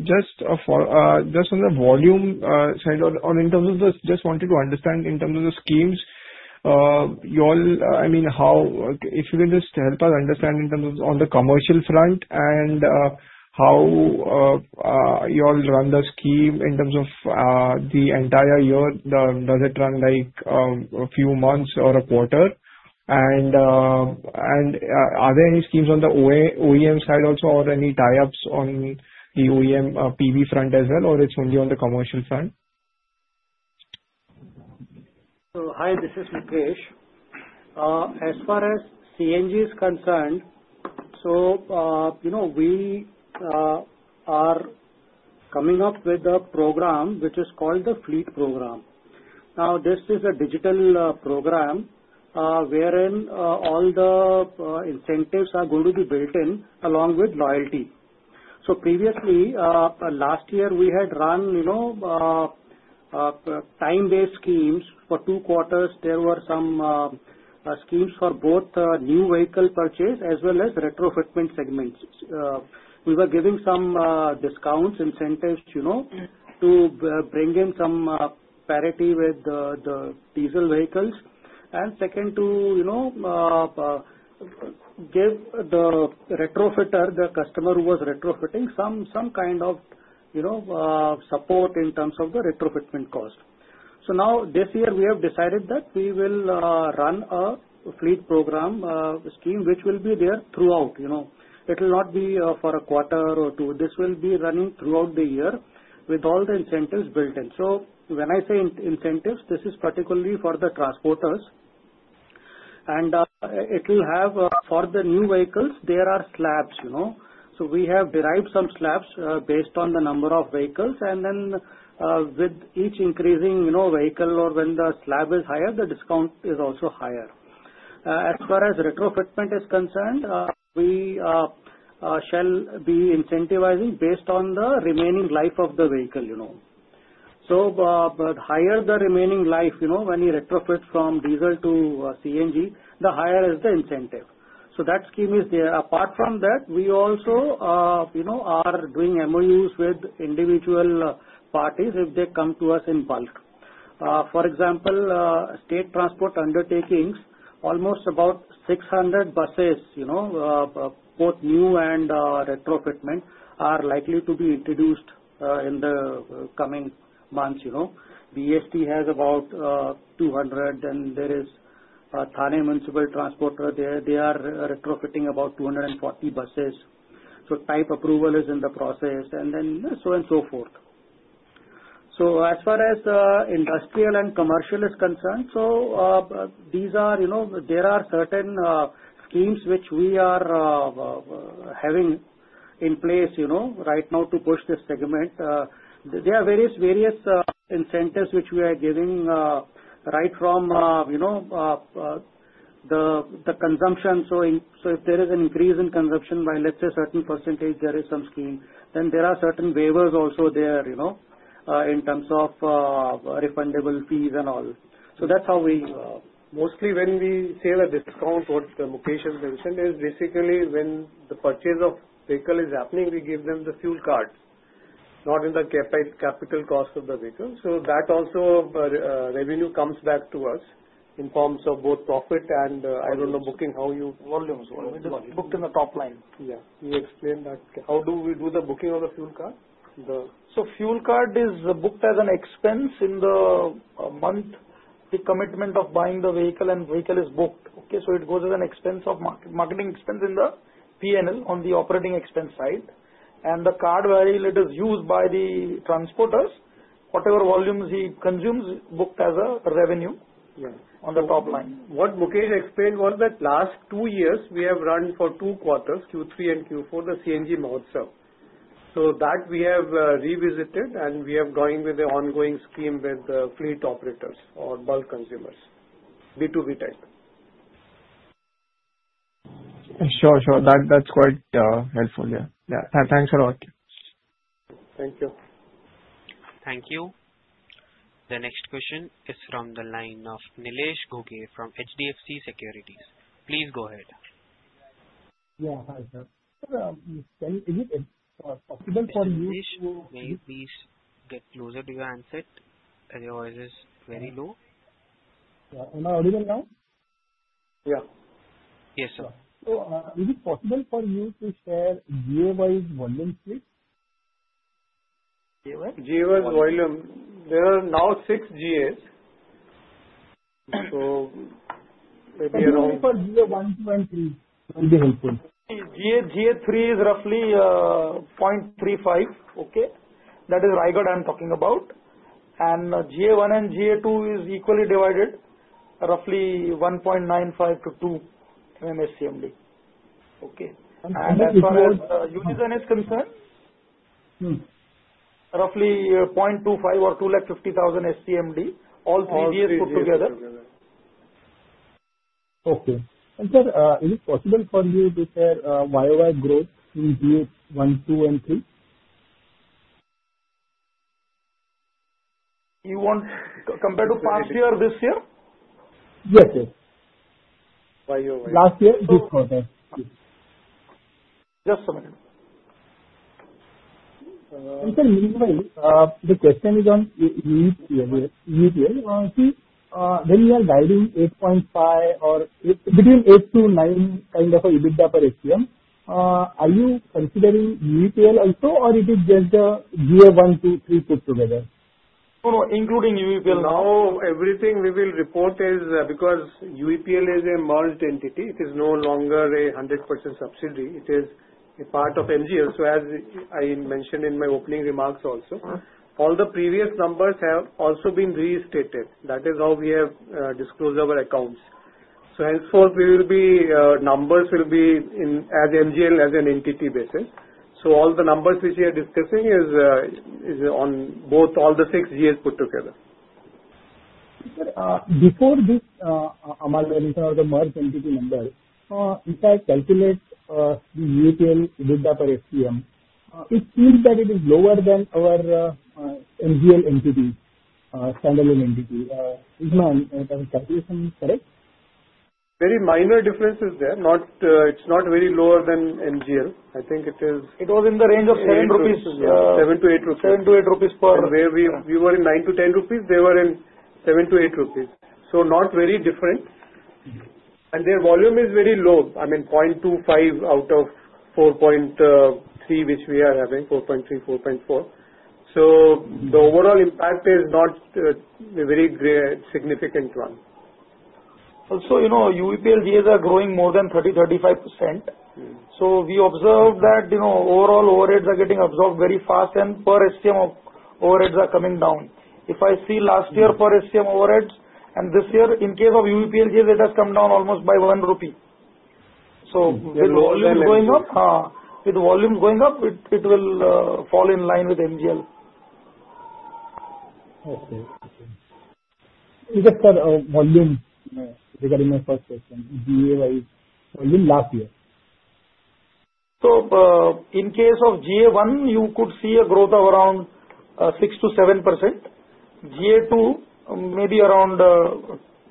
Just on the volume side, or in terms of the just wanted to understand in terms of the schemes, you all, I mean, how if you can just help us understand in terms of on the commercial front and how you all run the scheme in terms of the entire year, does it run like a few months or a quarter? And are there any schemes on the OEM side also or any tie-ups on the OEM PV front as well, or it's only on the commercial front? Hi. This is Mukesh. As far as CNG is concerned, so we are coming up with a program which is called the Fleet Program. Now, this is a digital program wherein all the incentives are going to be built in along with loyalty. So previously, last year, we had run time-based schemes for two quarters. There were some schemes for both new vehicle purchase as well as retrofitment segments. We were giving some discounts, incentives to bring in some parity with the diesel vehicles. And second, to give the retrofitter, the customer who was retrofitting, some kind of support in terms of the retrofitment cost. So now, this year, we have decided that we will run a Fleet Program scheme, which will be there throughout. It will not be for a quarter or two. This will be running throughout the year with all the incentives built in. So when I say incentives, this is particularly for the transporters. And it will have for the new vehicles, there are slabs. So we have derived some slabs based on the number of vehicles. And then with each increasing vehicle or when the slab is higher, the discount is also higher. As far as retrofitment is concerned, we shall be incentivizing based on the remaining life of the vehicle. So the higher the remaining life, when you retrofit from diesel to CNG, the higher is the incentive. So that scheme is there. Apart from that, we also are doing MOUs with individual parties if they come to us in bulk. For example, state transport undertakings, almost about 600 buses, both new and retrofitment, are likely to be introduced in the coming months. BEST has about 200, and there is Thane Municipal Transport. They are retrofitting about 240 buses. Type approval is in the process, and then so and so forth. As far as industrial and commercial is concerned, there are certain schemes which we are having in place right now to push this segment. There are various incentives which we are giving right from the consumption. If there is an increase in consumption by, let's say, a certain percentage, there is some scheme. Then there are certain waivers also there in terms of refundable fees and all. That's how we mostly, when we say the discount what Mukesh has mentioned, is basically when the purchase of vehicle is happening, we give them the fuel cards, not in the capital cost of the vehicle. That also revenue comes back to us in terms of both profit and, I don't know, booking how you. Volumes. You booked in the top line. Yeah. You explained that. How do we do the booking of the fuel card? So fuel card is booked as an expense in the monthly commitment of buying the vehicle, and vehicle is booked. Okay. So it goes as an expense of marketing expense in the P&L on the operating expense side. And the card value, it is used by the transporters. Whatever volumes he consumes is booked as a revenue on the top line. What Mukesh explained was that last two years, we have run for two quarters, Q3 and Q4, the CNG mode self. So that we have revisited, and we are going with the ongoing scheme with the fleet operators or bulk consumers, B2B type. Sure. Sure. That's quite helpful. Yeah. Thanks for the watch. Thank you. Thank you. The next question is from the line of Nilesh Ghuge from HDFC Securities. Please go ahead. Yeah. Hi, sir. Is it possible for you? [inaudible] Nilesh, may you please get closer to your handset? Your voice is very low. Yeah. Am I audible now? Yeah. Yes, sir. So is it possible for you to share GA-wise volume split? GA-wise? GA-wise volume. There are now 6 GAs. So maybe around. For GA 1,2, and 3 would be helpful. GA 3 is roughly 0.35. Okay. That is Raigad I'm talking about. And GA 1 and GA 2 is equally divided, roughly 1.95-2 SCMD. Okay. And as far as Unison is concerned, roughly 0.25 or 250,000 SCMD, all three GAs put together. Okay, and sir, is it possible for you to share YOY growth in GA 1, 2, and 3? You want compared to past year or this year? Yes. Yes. YOY. Last year, this quarter. Just a minute. Sir, meanwhile, the question is on UEPL. See, when you are guiding 8.5 or between 8-9 kind of a EBITDA per SCM, are you considering UEPL also, or it is just GA 1, 2, 3 put together? Including UEPL now, everything we will report is because UEPL is a merged entity. It is no longer a 100% subsidiary. It is a part of MGL. So as I mentioned in my opening remarks also, all the previous numbers have also been restated. That is how we have disclosed our accounts. So henceforth, numbers will be as MGL as an entity basis. So all the numbers which we are discussing is on all the 6 GAs put together. Before this, Mahanagar and Unison, the merged entity number, if I calculate the UEPL EBITDA per SCM, it seems that it is lower than our MGL entity, standalone entity. Is my calculation correct? Very minor differences there. It's not very lower than MGL. I think it is. It was in the range of 7 rupees. 7-8 rupees. 7-8 rupees per day. We were in 9-10 rupees. They were in 7-8 rupees. Not very different. Their volume is very low. I mean, 0.25 out of 4.3, which we are having, 4.3, 4.4. The overall impact is not a very significant one. Also, UEPL GAs are growing more than 30%-35%. So we observed that overall overheads are getting absorbed very fast, and per SCM overheads are coming down. If I see last year per SCM overheads and this year, in case of UEPL GAs, it has come down almost by 1 rupee. So with volumes going up, with volumes going up, it will fall in line with MGL. Okay. Just for volume, regarding my first question, GA-wise volume last year? In case of GA 1, you could see a growth of around 6-7%. GA 2, maybe around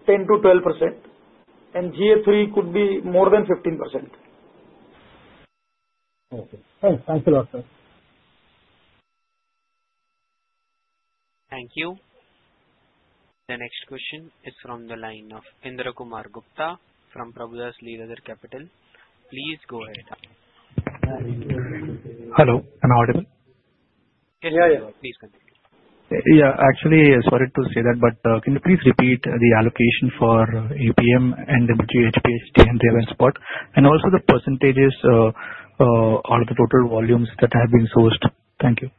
10-12%. GA 3 could be more than 15%. Okay. Thanks a lot, sir. Thank you. The next question is from the line of IndraKumar Gupta from Prabhudas Lilladher. Please go ahead. Hello. Am I audible? Yes. Yeah, yeah. Please continue. Yeah. Actually, sorry to say that, but can you please repeat the allocation for APM and spot, HPHT, and Ravva, spot? And also the percentages out of the total volumes that have been sourced. Thank you.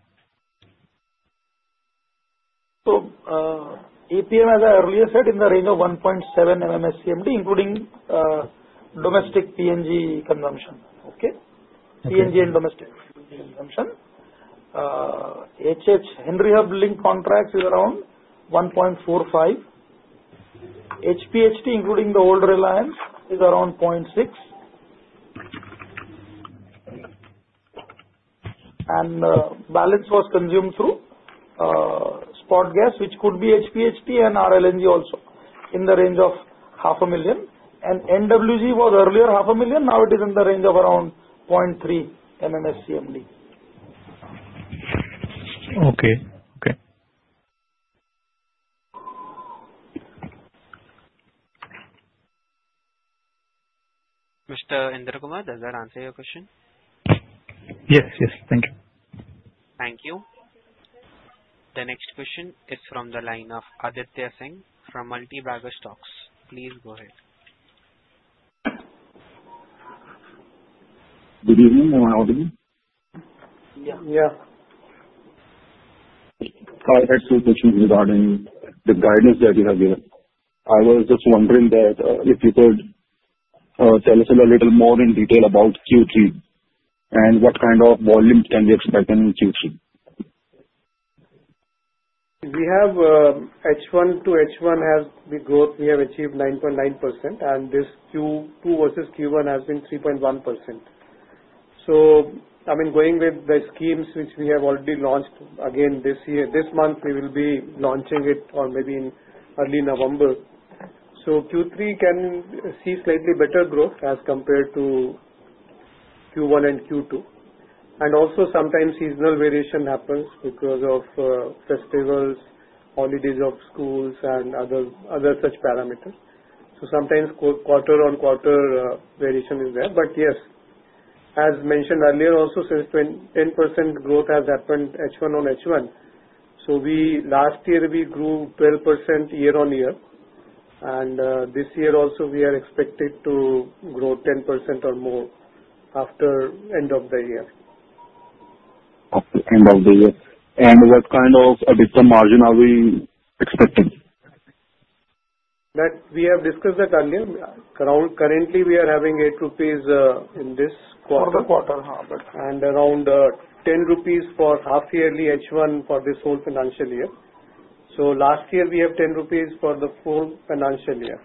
So APM, as I earlier said, in the range of 1.7 SCMD, including domestic PNG consumption. Okay. PNG and domestic PNG consumption. HH, Henry Hub link contracts is around 1.45. HPHT, including the old Reliance, is around 0.6. And the balance was consumed through SpotGas, which could be HPHT and RLNG also in the range of 0.5 ,000,000. And NWG was earlier 0.5 ,000,000. Now it is in the range of around 0.3 SCMD. Okay. Okay. Mr. Indra Kumar, does that answer your question? Yes. Yes. Thank you. Thank you. The next question is from the line of Aditya Singh from Multibagger Stocks. Please go ahead. Good evening. Am I audible? Yeah. Yeah. Sorry, I have two questions regarding the guidance that you have given. I was just wondering that if you could tell us a little more in detail about Q3 and what kind of volume can we expect in Q3? We have H1 to H1 has been growth. We have achieved 9.9%. This Q2 versus Q1 has been 3.1%. I mean, going with the schemes which we have already launched again this year, this month, we will be launching it or maybe in early November. Q3 can see slightly better growth as compared to Q1 and Q2. Also, sometimes seasonal variation happens because of festivals, holidays of schools, and other such parameters. Sometimes quarter-on-quarter variation is there. Yes, as mentioned earlier, also since 10% growth has happened H1 on H1. Last year, we grew 12% year on year. This year also, we are expected to grow 10% or more after end of the year. After the end of the year. What kind of a discount margin are we expecting? That we have discussed that earlier. Currently, we are having 8 rupees in this quarter. For the quarter. And around 10 rupees for half-yearly H1 for this whole financial year. So last year, we have 10 rupees for the full financial year.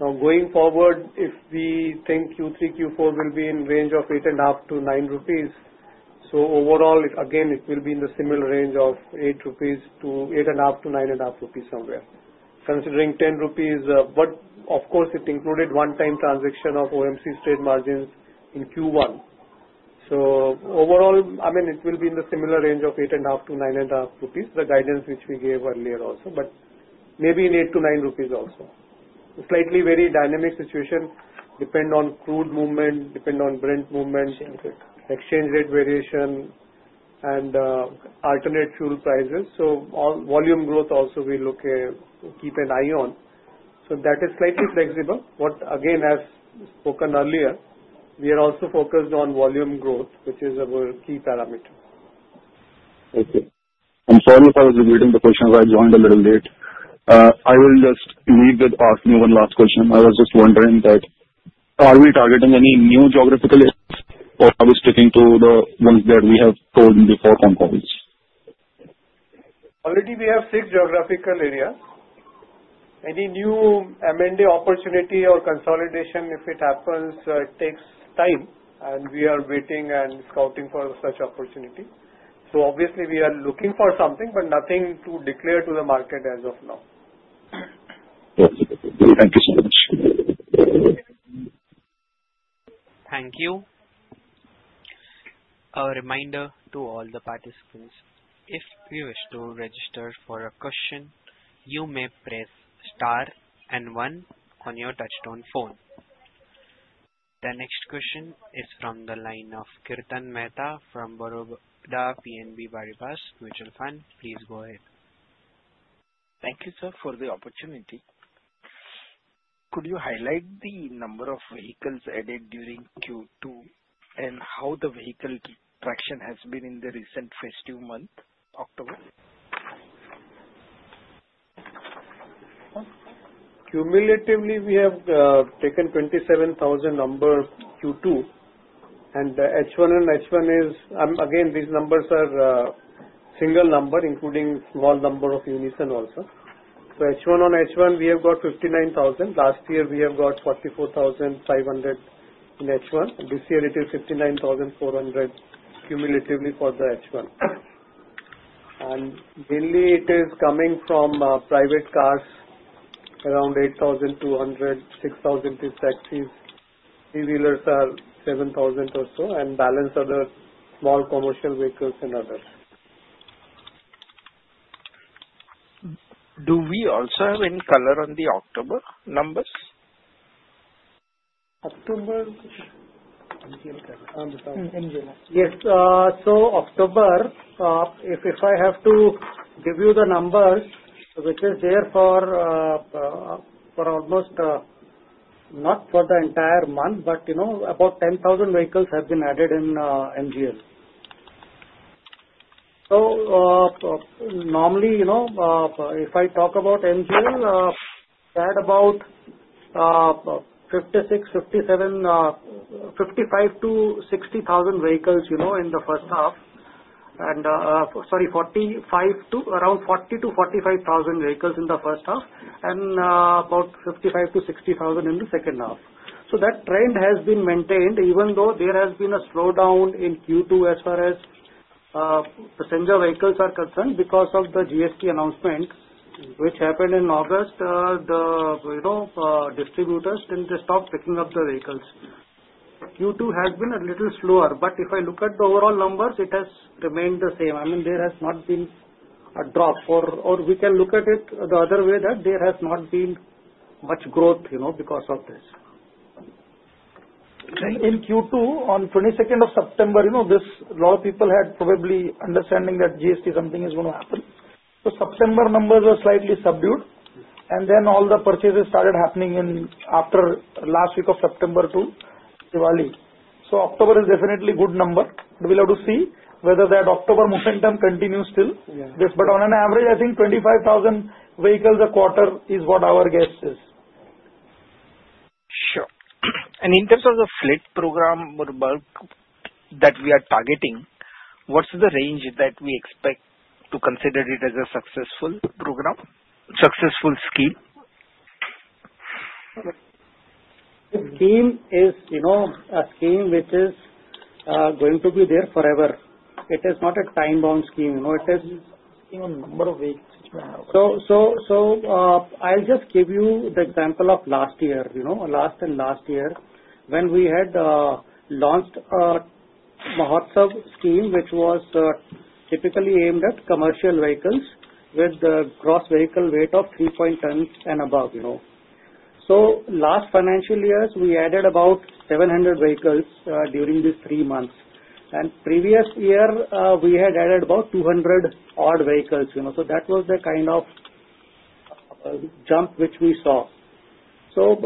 Now, going forward, if we think Q3, Q4 will be in range of 8.5-9 rupees, so overall, again, it will be in the similar range of 8-8.5 rupees-INR 9.5 somewhere. Considering 10 rupees, but of course, it included one-time transaction of OMC trade margins in Q1. So overall, I mean, it will be in the similar range of 8.5-9.5 rupees, the guidance which we gave earlier also, but maybe in 8-9 rupees also. Slightly very dynamic situation, depend on crude movement, depend on Brent movement, exchange rate variation, and alternate fuel prices. So volume growth also we look at, keep an eye on. So that is slightly flexible. What, again, as spoken earlier, we are also focused on volume growth, which is our key parameter. Okay. I'm sorry for repeating the question. I joined a little late. I will just leave with asking one last question. I was just wondering that are we targeting any new geographical areas or are we sticking to the ones that we have told before concalls? Already, we have six geographical areas. Any new M&A opportunity or consolidation, if it happens, takes time. And we are waiting and scouting for such opportunity. So obviously, we are looking for something, but nothing to declare to the market as of now. Yes. Thank you so much. Thank you. A reminder to all the participants. If you wish to register for a question, you may press star and one on your touch-tone phone. The next question is from the line of Kirtan Mehta from Baroda BNP Paribas Mutual Fund. Please go ahead. Thank you, sir, for the opportunity. Could you highlight the number of vehicles added during Q2 and how the vehicle traction has been in the recent festive month, October? Cumulatively, we have taken 27,000 number Q2. And H1 and H1 is, again, these numbers are single number, including small number of Unison also. So H1 on H1, we have got 59,000. Last year, we have got 44,500 in H1. This year, it is 59,400 cumulatively for the H1. And mainly, it is coming from private cars, around 8,200, 6,000 is taxis. 3-wheelers are 7,000 or so, and balance other small commercial vehicles and others. Do we also have any color on the October numbers? October? MGL numbers. I'm sorry. MGL. Yes. So October, if I have to give you the numbers, which is there for almost not for the entire month, but about 10,000 vehicles have been added in MGL. So normally, if I talk about MGL, we had about 56,000, 57,000 55,000-60,000 vehicles in the first half. And sorry, around 40,000-45,000 vehicles in the first half and about 55,000-60,000 in the second half. So that trend has been maintained even though there has been a slowdown in Q2 as far as passenger vehicles are concerned because of the GST announcement, which happened in August. The distributors didn't stop picking up the vehicles. Q2 has been a little slower, but if I look at the overall numbers, it has remained the same.I mean, there has not been a drop, or we can look at it the other way that there has not been much growth because of this. In Q2, on 22nd of September, a lot of people had probably understanding that GST something is going to happen. So September numbers were slightly subdued, and then all the purchases started happening after last week of September to Diwali. So October is definitely a good number. We'll have to see whether that October momentum continues still. But on an average, I think 25,000 vehicles a quarter is what our guess is. Sure. And in terms of the fleet program that we are targeting, what's the range that we expect to consider it as a successful program, successful scheme? scheme is a scheme which is going to be there forever. It is not a time-bound scheme. It is a number of weeks. So I'll just give you the example of last year, last and last year, when we had launched Mahotsav scheme, which was typically aimed at commercial vehicles with the gross vehicle weight of 3.10 and above. So last financial years, we added about 700 vehicles during these three months. And previous year, we had added about 200 odd vehicles. So that was the kind of jump which we saw. So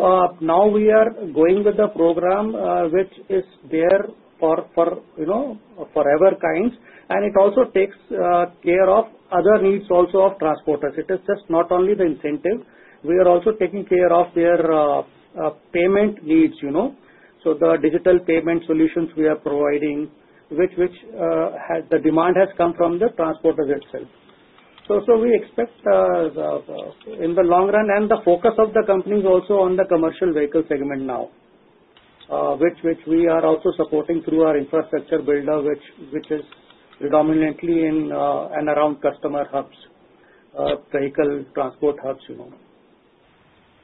now we are going with the program, which is there forever kinds. And it also takes care of other needs also of transporters. It is just not only the incentive. We are also taking care of their payment needs. So the digital payment solutions we are providing, which the demand has come from the transporters itself. So we expect in the long run, and the focus of the company is also on the commercial vehicle segment now, which we are also supporting through our infrastructure builder, which is predominantly in and around customer hubs, vehicle transport hubs.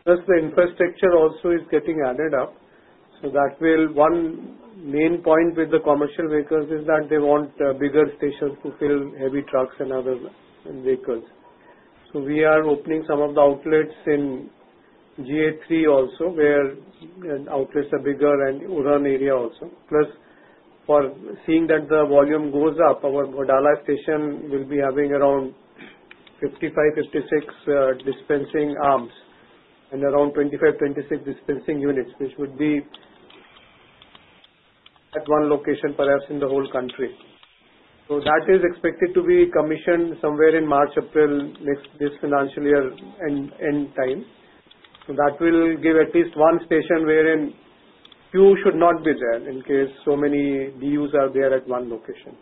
That's the infrastructure also is getting added up. So that will one main point with the commercial vehicles is that they want bigger stations to fill heavy trucks and other vehicles. So we are opening some of the outlets in GA 3 also, where outlets are bigger and urban area also. Plus, for seeing that the volume goes up, our Wadala station will be having around 55-56 dispensing arms and around 25-26 dispensing units, which would be at one location perhaps in the whole country. So that is expected to be commissioned somewhere in March, April, this financial year end time. So that will give at least one station wherein few should not be there in case so many DUs are there at one location.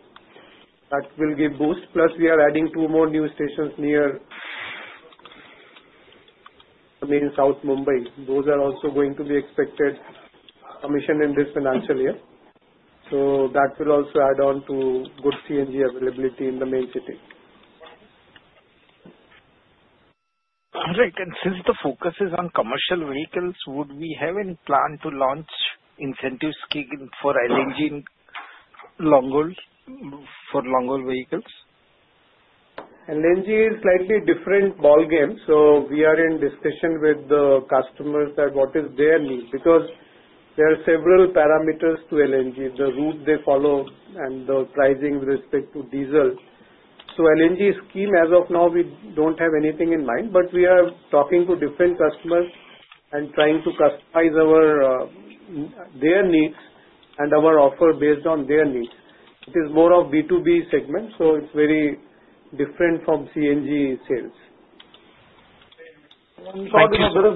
That will give boost. Plus, we are adding two more new stations near South Mumbai. Those are also going to be expected commissioned in this financial year. So that will also add on to good CNG availability in the main city. Since the focus is on commercial vehicles, would we have any plan to launch incentive scheme for LNG for long-haul vehicles? LNG is slightly different ballgame. So we are in discussion with the customers that what is their need because there are several parameters to LNG, the route they follow, and the pricing with respect to diesel. So LNG scheme as of now, we don't have anything in mind, but we are talking to different customers and trying to customize their needs and our offer based on their needs. It is more of B2B segment, so it's very different from CNG sales. Sorry, Mr.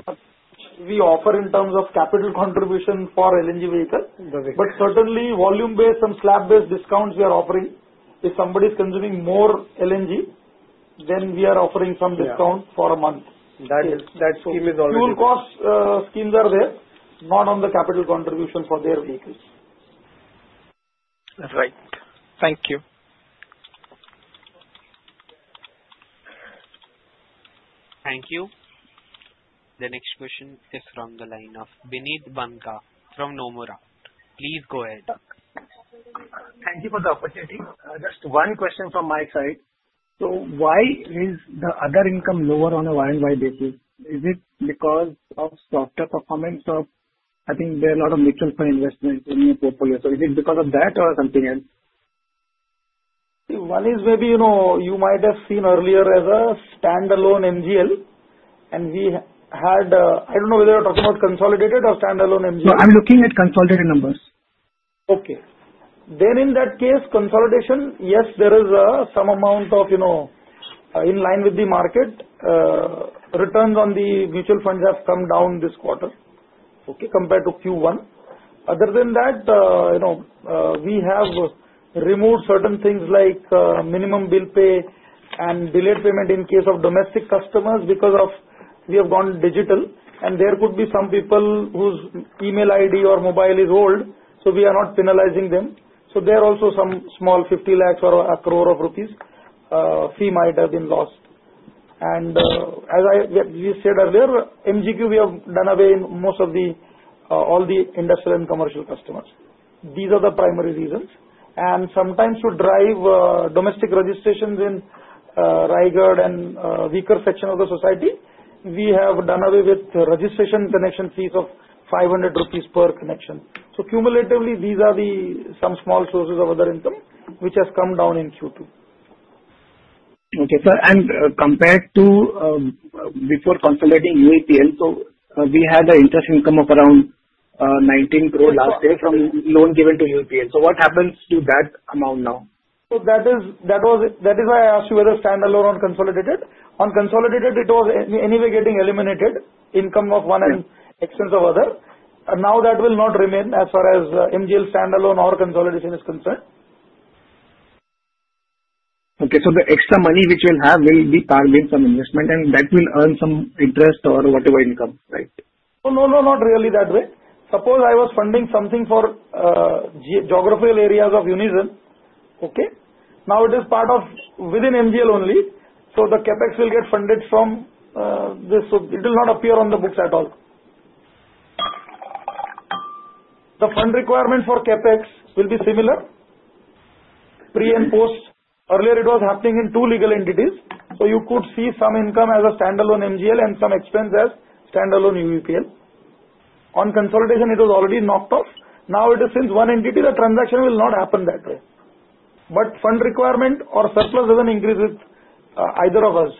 We offer in terms of capital contribution for LNG vehicle. But certainly, volume-based and slab-based discounts we are offering. If somebody is consuming more LNG, then we are offering some discount for a month. That scheme is already there. Fuel cost schemes are there, not on the capital contribution for their vehicles. Right. Thank you. Thank you. The next question is from the lineineet Banka from Nomura. Please go ahead. Thank you for the opportunity. Just one question from my side. So why is the other income lower on a YoY basis? Is it because of softer performance? I think there are a lot of mutual fund investments in your portfolio. So is it because of that or something else? One is maybe you might have seen earlier as a standalone MGL. And we had, I don't know whether you're talking about consolidated or standalone MGL. No, I'm looking at consolidated numbers. Okay. Then in that case, consolidation, yes, there is some amount of in line with the market, returns on the mutual funds have come down this quarter compared to Q1. Other than that, we have removed certain things like minimum bill pay and delayed payment in case of domestic customers because we have gone digital. And there could be some people whose email ID or mobile is old, so we are not penalizing them. So there are also some small 50 lakhs or a crore of rupees fee might have been lost. And as we said earlier, MGQ, we have done away in most of all the industrial and commercial customers. These are the primary reasons. And sometimes to drive domestic registrations in Raigad and weaker section of the society, we have done away with registration connection fees of 500 rupees per connection. So cumulatively, these are some small sources of other income, which has come down in Q2. Okay. Compared to before consolidating UEPL, we had an interest income of around 19 crore last year from loan given to UEPL. What happens to that amount now? So that is why I asked you whether standalone or consolidated. On consolidated, it was anyway getting eliminated, income of one and expense of other. Now that will not remain as far as MGL standalone or consolidation is concerned. Okay. So the extra money which we'll have will be carved in some investment, and that will earn some interest or whatever income, right? No, no, not really that way. Suppose I was funding something for geographical areas of Unison. Okay. Now it is part of within MGL only. So the CAPEX will get funded from this. So it will not appear on the books at all. The fund requirement for CAPEX will be similar. Pre and post, earlier it was happening in two legal entities. So you could see some income as a standalone MGL and some expense as standalone UEPL. On consolidation, it was already knocked off. Now it is since one entity, the transaction will not happen that way. But fund requirement or surplus doesn't increase with either of us.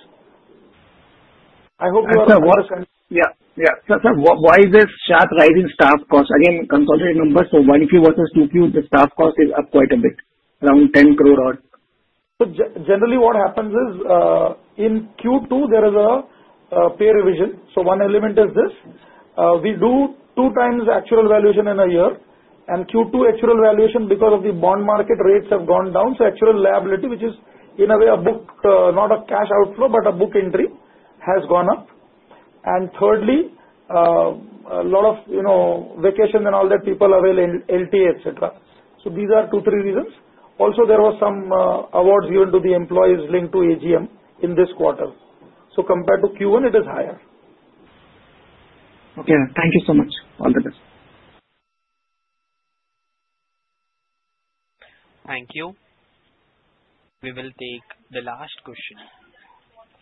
I hope you understand. Yeah. Yeah. So why this sharp rise in staff cost? Again, consolidated numbers, so Q1 versus Q2, the staff cost is up quite a bit, around 10 crore odd. Generally, what happens is in Q2, there is a pay revision. So one element is this. We do two times actual valuation in a year. And Q2 actual valuation because of the bond market rates have gone down. So actual liability, which is in a way a book, not a cash outflow, but a book entry has gone up. And thirdly, a lot of vacation and all that people avail LTA, etc. So these are 2, 3 reasons. Also, there were some awards given to the employees linked to AGM in this quarter. So compared to Q1, it is higher. Okay. Thank you so much. All the best. Thank you. We will take the last question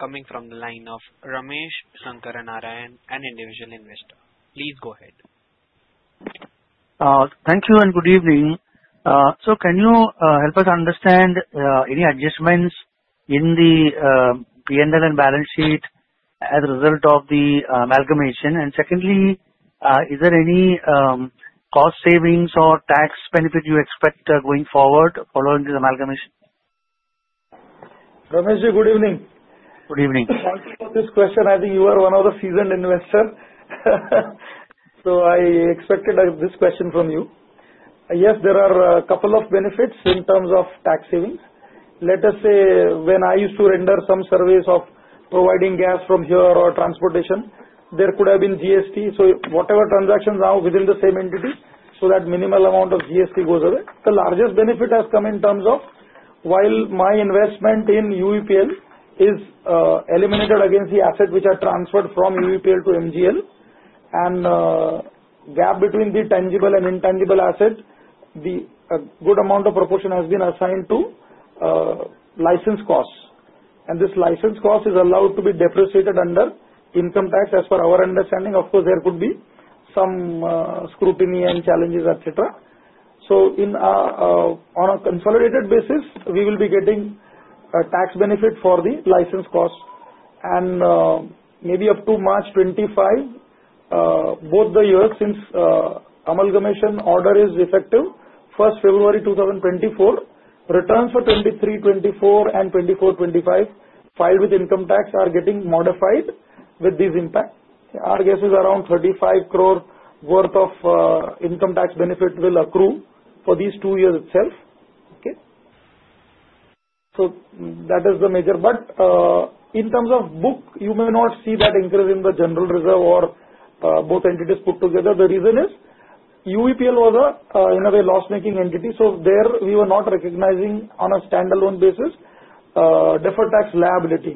coming from the line of Ramesh Sankaranarayan, an individual investor. Please go ahead. Thank you and good evening. So can you help us understand any adjustments in the P&L and balance sheet as a result of the amalgamation? And secondly, is there any cost savings or tax benefit you expect going forward following the amalgamation? Ramesh, good evening. Good evening. Thank you for this question. I think you are one of the seasoned investors. So I expected this question from you. Yes, there are a couple of benefits in terms of tax savings. Let us say when I used to render some service of providing gas from here or transportation, there could have been GST. So whatever transactions are within the same entity, so that minimal amount of GST goes away. The largest benefit has come in terms of while my investment in UEPL is eliminated against the asset which are transferred from UEPL to MGL. And gap between the tangible and intangible asset, a good amount of proportion has been assigned to license costs. And this license cost is allowed to be depreciated under income tax as per our understanding. Of course, there could be some scrutiny and challenges, etc.On a consolidated basis, we will be getting a tax benefit for the license cost. Maybe up to March 25, both the years since amalgamation order is effective, 1st February 2024, returns for 2023, 2024, and 2024, 2025 filed with income tax are getting modified with these impacts. Our guess is around 35 crore worth of income tax benefit will accrue for these two years itself. Okay. That is the major. In terms of book, you may not see that increase in the general reserve or both entities put together. The reason is UEPL was a, in a way, loss-making entity. There we were not recognizing on a standalone basis deferred tax liability.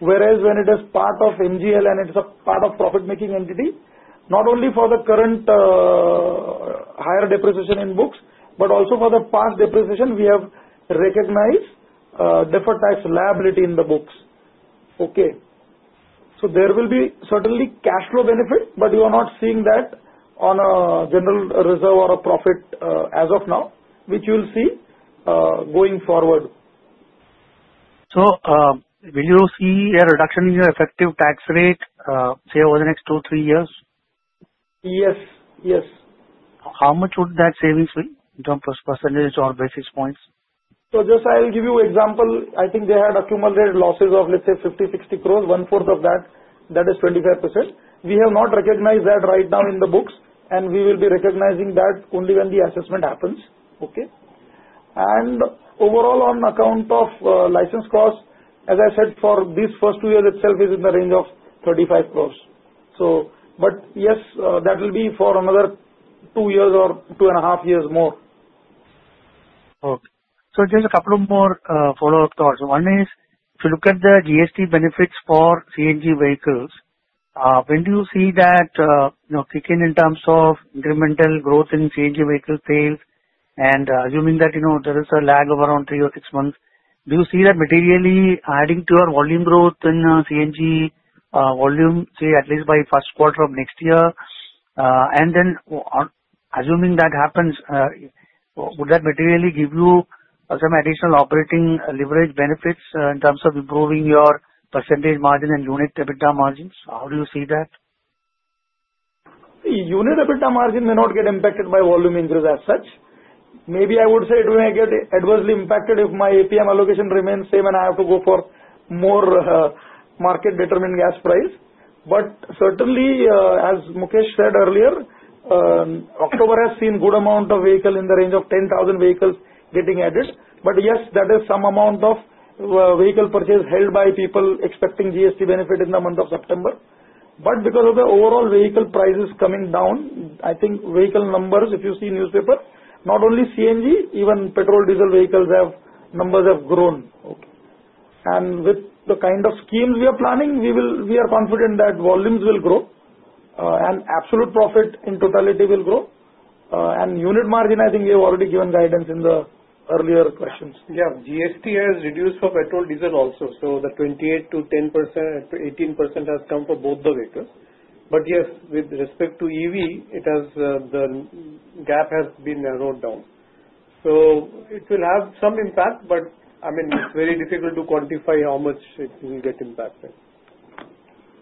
Whereas when it is part of MGL and it's a part of profit-making entity, not only for the current higher depreciation in books, but also for the past depreciation, we have recognized deferred tax liability in the books. Okay, so there will be certainly cash flow benefit, but you are not seeing that on a general reserve or a profit as of now, which you will see going forward. So will you see a reduction in your effective tax rate, say, over the next two, three years? Yes. Yes. How much would that savings be in terms of percentage or basis points? So just I'll give you an example. I think they had accumulated losses of, let's say, 50-60 crores, one-fourth of that. That is 25%. We have not recognized that right now in the books, and we will be recognizing that only when the assessment happens. Okay, and overall, on account of license costs, as I said, for these first two years itself is in the range of 35 crores. But yes, that will be for another 2 years or 2.5 half years more. Okay. So just a couple of more follow-up thoughts. One is, if you look at the GST benefits for CNG vehicles, when do you see that kick-in in terms of incremental growth in CNG vehicle sales? And assuming that there is a lag of around three or six months, do you see that materially adding to your volume growth in CNG volume, say, at least by first quarter of next year? And then assuming that happens, would that materially give you some additional operating leverage benefits in terms of improving your percentage margin and unit EBITDA margins? How do you see that? Unit EBITDA margin may not get impacted by volume increase as such. Maybe I would say it may get adversely impacted if my APM allocation remains same and I have to go for more market-determined gas price. But certainly, as Mukesh said earlier, October has seen a good amount of vehicle in the range of 10,000 vehicles getting added. But yes, that is some amount of vehicle purchase held by people expecting GST benefit in the month of September. But because of the overall vehicle prices coming down, I think vehicle numbers, if you see newspaper, not only CNG, even petrol, diesel vehicles have numbers have grown. And with the kind of schemes we are planning, we are confident that volumes will grow and absolute profit in totality will grow. And unit margin, I think we have already given guidance in the earlier questions. Yeah. GST has reduced for petrol, diesel also. So the 28%-18% has come for both the vehicles. But yes, with respect to EV, the gap has been narrowed down. So it will have some impact, but I mean, it's very difficult to quantify how much it will get impacted.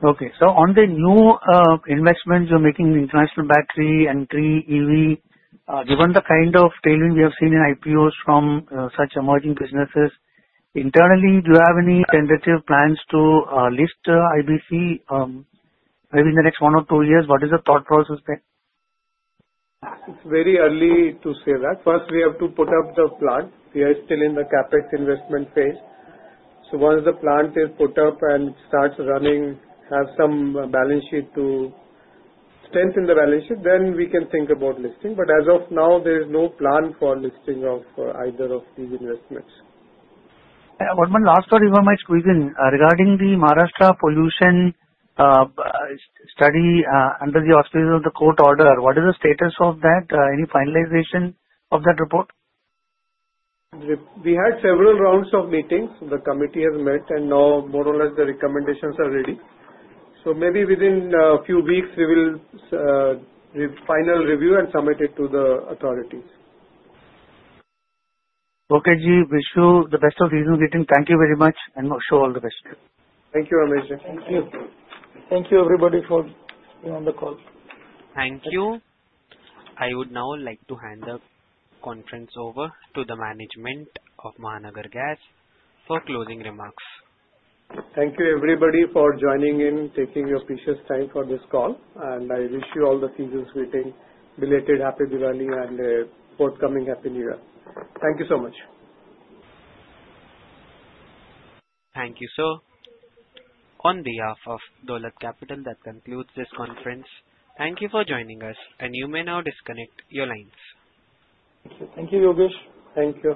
Okay. So on the new investments you're making in International Battery Company and 3ev, given the kind of tailwind we have seen in IPOs from such emerging businesses, internally, do you have any tentative plans to list IBC maybe in the next one or two years? What is the thought process there? It's very early to say that. First, we have to put up the plant. We are still in the CAPEX investment phase. So once the plant is put up and starts running, have some balance sheet to strengthen the balance sheet, then we can think about listing. But as of now, there is no plan for listing of either of these investments. One last thought before my squeezing regarding the Maharashtra Pollution Study under the auspices of the court order. What is the status of that? Any finalization of that report? We had several rounds of meetings. The committee has met, and now more or less the recommendations are ready. So maybe within a few weeks, we will final review and submit it to the authorities. Okay, G. Wish you the best of reasons. Thank you very much and wish you all the best. Thank you, Ramesh. Thank you. Thank you, everybody, for being on the call. Thank you. I would now like to hand the Conference over to the management of Mahanagar Gas for closing remarks. Thank you, everybody, for joining in, taking your precious time for this call. And I wish you all season's greetings, belated Happy Diwali, and forthcoming Happy New Year. Thank you so much. Thank you, sir. On behalf of Dolat Capital, that concludes this conference. Thank you for joining us, and you may now disconnect your lines. Thank you, Yogesh. Thank you.